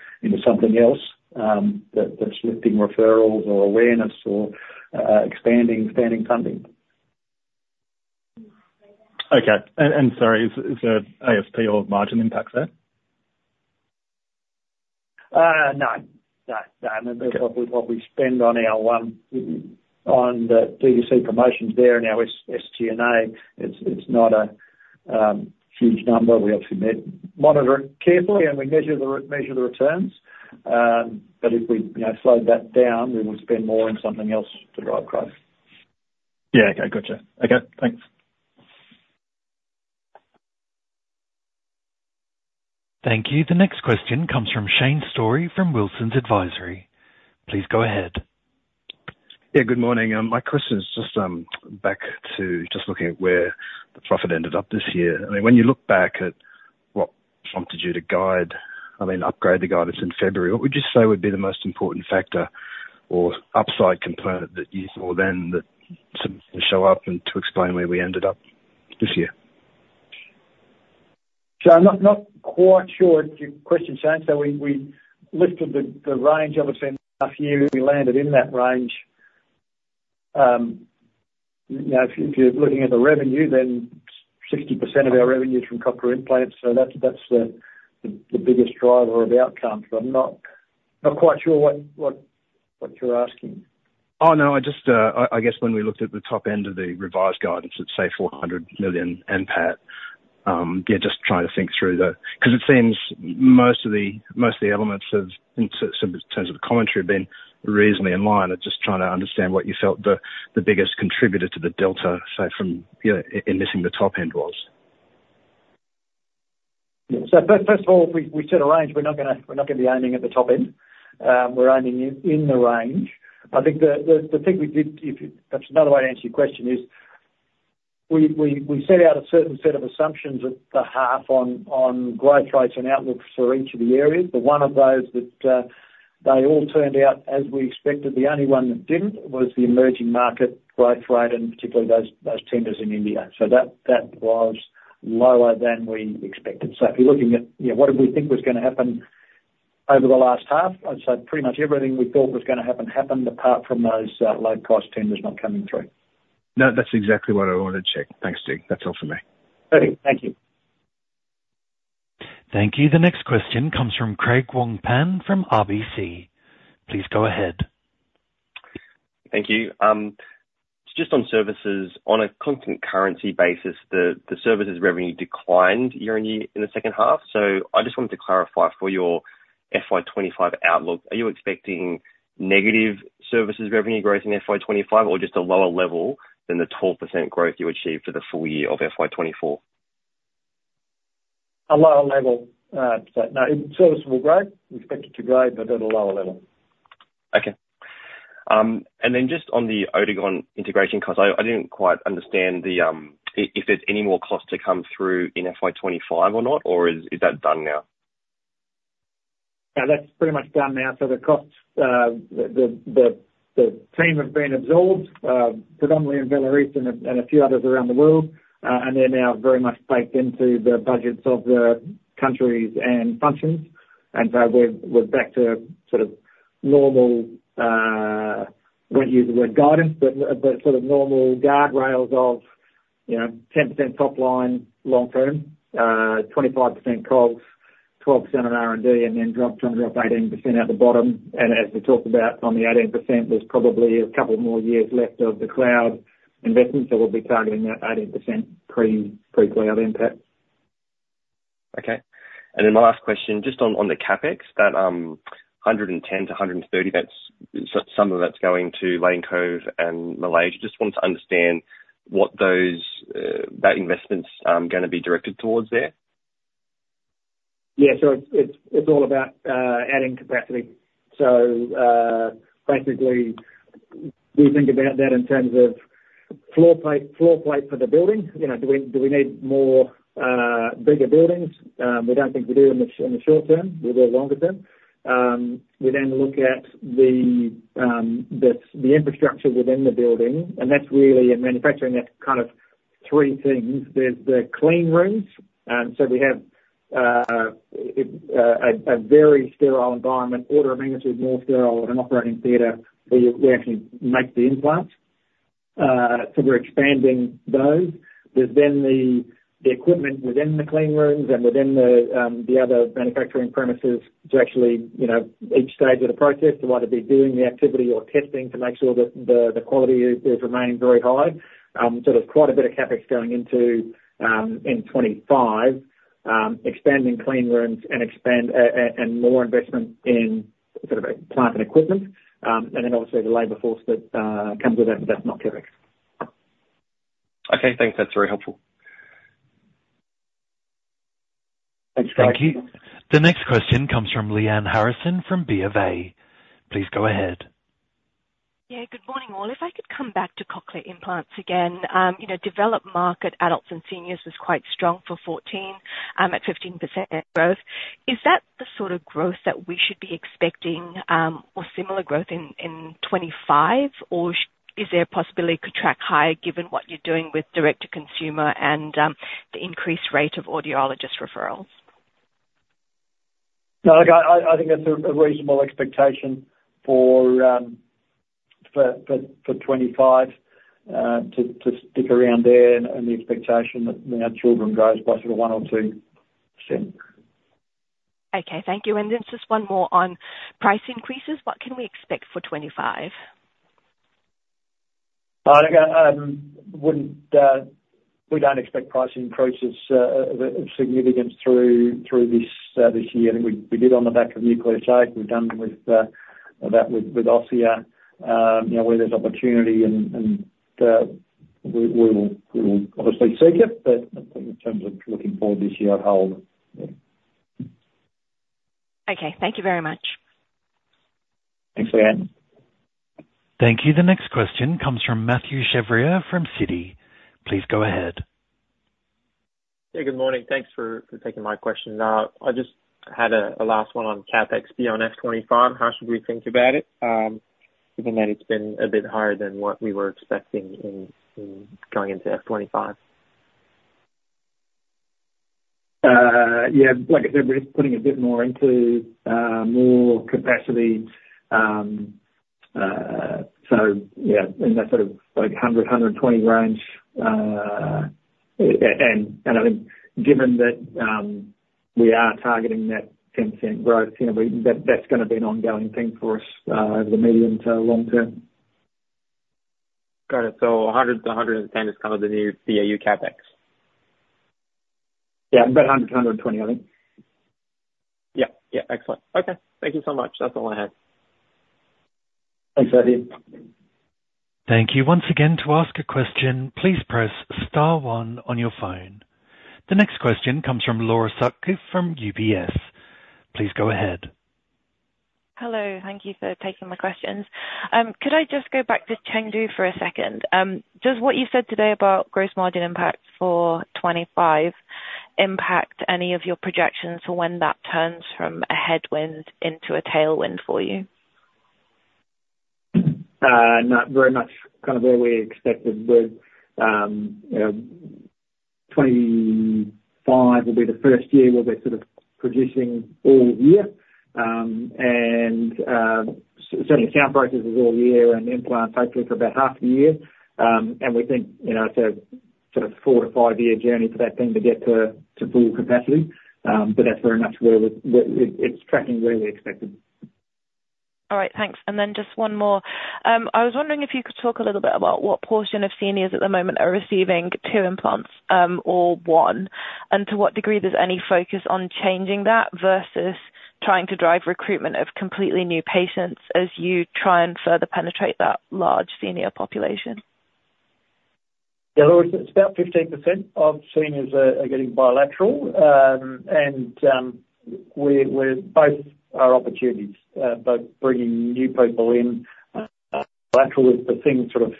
something else, that's lifting referrals or awareness or expanding funding. Okay. And sorry, is there ASP or margin impact there? No. No, no. Okay. What we spend on the DTC promotions there and our SG&A, it's not a huge number. We obviously monitor it carefully, and we measure the returns. But if we, you know, slowed that down, we would spend more on something else to drive growth. Yeah. Okay, gotcha. Okay, thanks. Thank you. The next question comes from Shane Storey from Wilsons Advisory. Please go ahead. Yeah, good morning. My question is just back to just looking at where the profit ended up this year. I mean, when you look back at what prompted you to guide, I mean, upgrade the guidance in February, what would you say would be the most important factor or upside component that you saw then that some show up and to explain where we ended up this year? So I'm not, not quite sure I understand your question, Shane. So we lifted the range obviously in half year, we landed in that range. You know, if you're looking at the revenue, then 60% of our revenue is from cochlear implants, so that's the biggest driver of outcome. So I'm not, not quite sure what you're asking. Oh, no, I just, I guess when we looked at the top end of the revised guidance, let's say, 400 million NPAT, yeah, just trying to think through the 'cause it seems most of the elements of interest, so in terms of the commentary have been reasonably in line. I'm just trying to understand what you felt the biggest contributor to the delta, say, from, you know, in missing the top end was. Yeah. So first of all, we set a range. We're not gonna be aiming at the top end. We're aiming in the range. I think. Perhaps another way to answer your question is. We set out a certain set of assumptions at the half on growth rates and outlook for each of the areas. But all of those turned out as we expected. The only one that didn't was the emerging market growth rate, and particularly those tenders in India. So that was lower than we expected. So if you're looking at, you know, what did we think was gonna happen over the last half, I'd say pretty much everything we thought was gonna happen, happened, apart from those low-cost tenders not coming through. No, that's exactly what I wanted to check. Thanks, Dig. That's all for me. Okay, thank you. Thank you. The next question comes from Craig Wong-Pan from RBC. Please go ahead. Thank you. Just on services, on a constant currency basis, the services revenue declined year-on-year in the second half. So I just wanted to clarify, for your FY 2025 outlook, are you expecting negative services revenue growth in FY 2025, or just a lower level than the 12% growth you achieved for the full year of FY 24? A lower level. But no, service will grow. We expect it to grow, but at a lower level. Okay. And then just on the Oticon integration costs, I didn't quite understand the if there's any more costs to come through in FY 2025 or not, or is that done now? Yeah, that's pretty much done now. So the costs, the team have been absorbed, predominantly in Vallauris and a few others around the world, and they're now very much baked into the budgets of the countries and functions. And so we're back to sort of normal, won't use the word guidance, but sort of normal guardrails of, you know, 10% top line long term, 25% COGS, 12% on R&D, and then drop 18% at the bottom. And as we talked about on the 18%, there's probably a couple more years left of the cloud investment, so we'll be targeting that 18% pre-cloud impact. Okay. My last question, just on the CapEx, that 110 to 130 million, that's so some of that's going to Lane Cove and Malaysia. Just want to understand what those that investment's gonna be directed towards there. Yeah, so it's all about adding capacity. So, basically, we think about that in terms of floor plate for the building. You know, do we need more bigger buildings? We don't think we do in the short term. We do longer term. We then look at the infrastructure within the building, and that's really a manufacturing, that's kind of three things. There's the clean rooms, so we have a very sterile environment, order of magnitude, more sterile than an operating theater, where we actually make the implants. So we're expanding those. There's then the equipment within the clean rooms and within the other manufacturing premises to actually, you know, each stage of the process to either be doing the activity or testing to make sure that the quality is remaining very high. So there's quite a bit of CapEx going into in 2025 expanding clean rooms and expanding and more investment in sort of plant and equipment, and then obviously the labor force that comes with it, but that's not CapEx. Okay, thanks. That's very helpful. Thanks, Craig. Thank you. The next question comes from Lyanne Harrison from BofA. Please go ahead. Yeah, good morning, all. If I could come back to Cochlear implants again. You know, developed market adults and seniors was quite strong for 2024 at 15% growth. Is that the sort of growth that we should be expecting or similar growth in 2025? Or is there a possibility it could track higher, given what you're doing with direct-to-consumer and the increased rate of audiologist referrals? No, like, I think that's a reasonable expectation for 2025 to stick around there and the expectation that, you know, children grows by sort of 1 or 2%. Okay, thank you. Just one more on price increases. What can we expect for 2025? We don't expect price increases of significance through this year. I think we did on the back of Nucleus 8, we've done with that with Osia. You know, where there's opportunity and we will obviously seek it, but in terms of looking forward this year, I'd hold, yeah. Okay. Thank you very much. Thanks, Lyanne. Thank you. The next question comes from Mathieu Chevrier from Citi. Please go ahead. Hey, good morning. Thanks for taking my question. I just had a last one on CapEx beyond FY25. How should we think about it, given that it's been a bit higher than what we were expecting in going into FY25? Yeah, like I said, we're just putting a bit more into more capacity. So yeah, in that sort of like 100 to 120 range, and I think given that, we are targeting that 10% growth, you know, that's gonna be an ongoing thing for us over the medium to long term. Got it. So 100 to 110 is kind of the new BAU CapEx? Yeah, about 100 to 120, I think. Yeah. Yeah, excellent. Okay, thank you so much. That's all I have. Thanks, Mathieu. Thank you once again. To ask a question, please press star one on your phone. The next question comes from Laura Sutcliffe from UBS. Please go ahead. Hello, thank you for taking my questions. Could I just go back to Chengdu for a second? Does what you said today about gross margin impact for 2025 impact any of your projections for when that turns from a headwind into a tailwind for you? Not very much, kind of where we expected with, you know, 2025 will be the first year we'll be sort of producing all year. Certainly sound processors is all year, and implant hopefully for about half the year. We think, you know, it's a sort of four to five-year journey for that thing to get to full capacity. But that's very much where it's tracking where we expected. All right, thanks. And then just one more. I was wondering if you could talk a little bit about what portion of seniors at the moment are receiving two implants, or one, and to what degree there's any focus on changing that, versus trying to drive recruitment of completely new patients, as you try and further penetrate that large senior population? Yeah, well, it's about 15% of seniors are getting bilateral. And both are opportunities, both bringing new people in, bilateral, but things sort of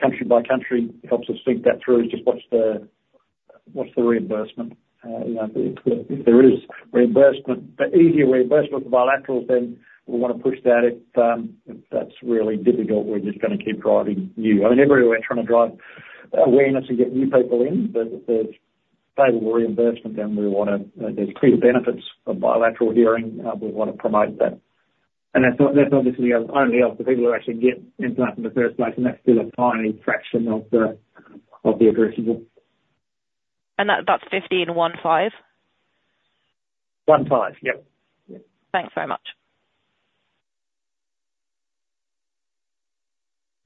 country by country, helps us think that through, is just what's the reimbursement? You know, if there is reimbursement, the easier reimbursement for bilaterals, then we wanna push that. If that's really difficult, we're just gonna keep driving new. I mean, everywhere we're trying to drive awareness to get new people in, but if there's favorable reimbursement, then we wanna, there's clear benefits of bilateral hearing, we wanna promote that. And that's obviously only of the people who actually get implant in the first place, and that's still a tiny fraction of the addressable. That, that's 15, 1-5? One-five, yep. Thanks very much.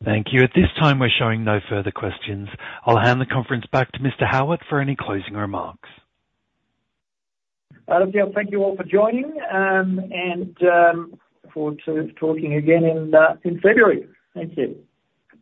Thank you. At this time, we're showing no further questions. I'll hand the conference back to Mr. Howitt for any closing remarks. Look, yeah, thank you all for joining, and look forward to talking again in February. Thank you.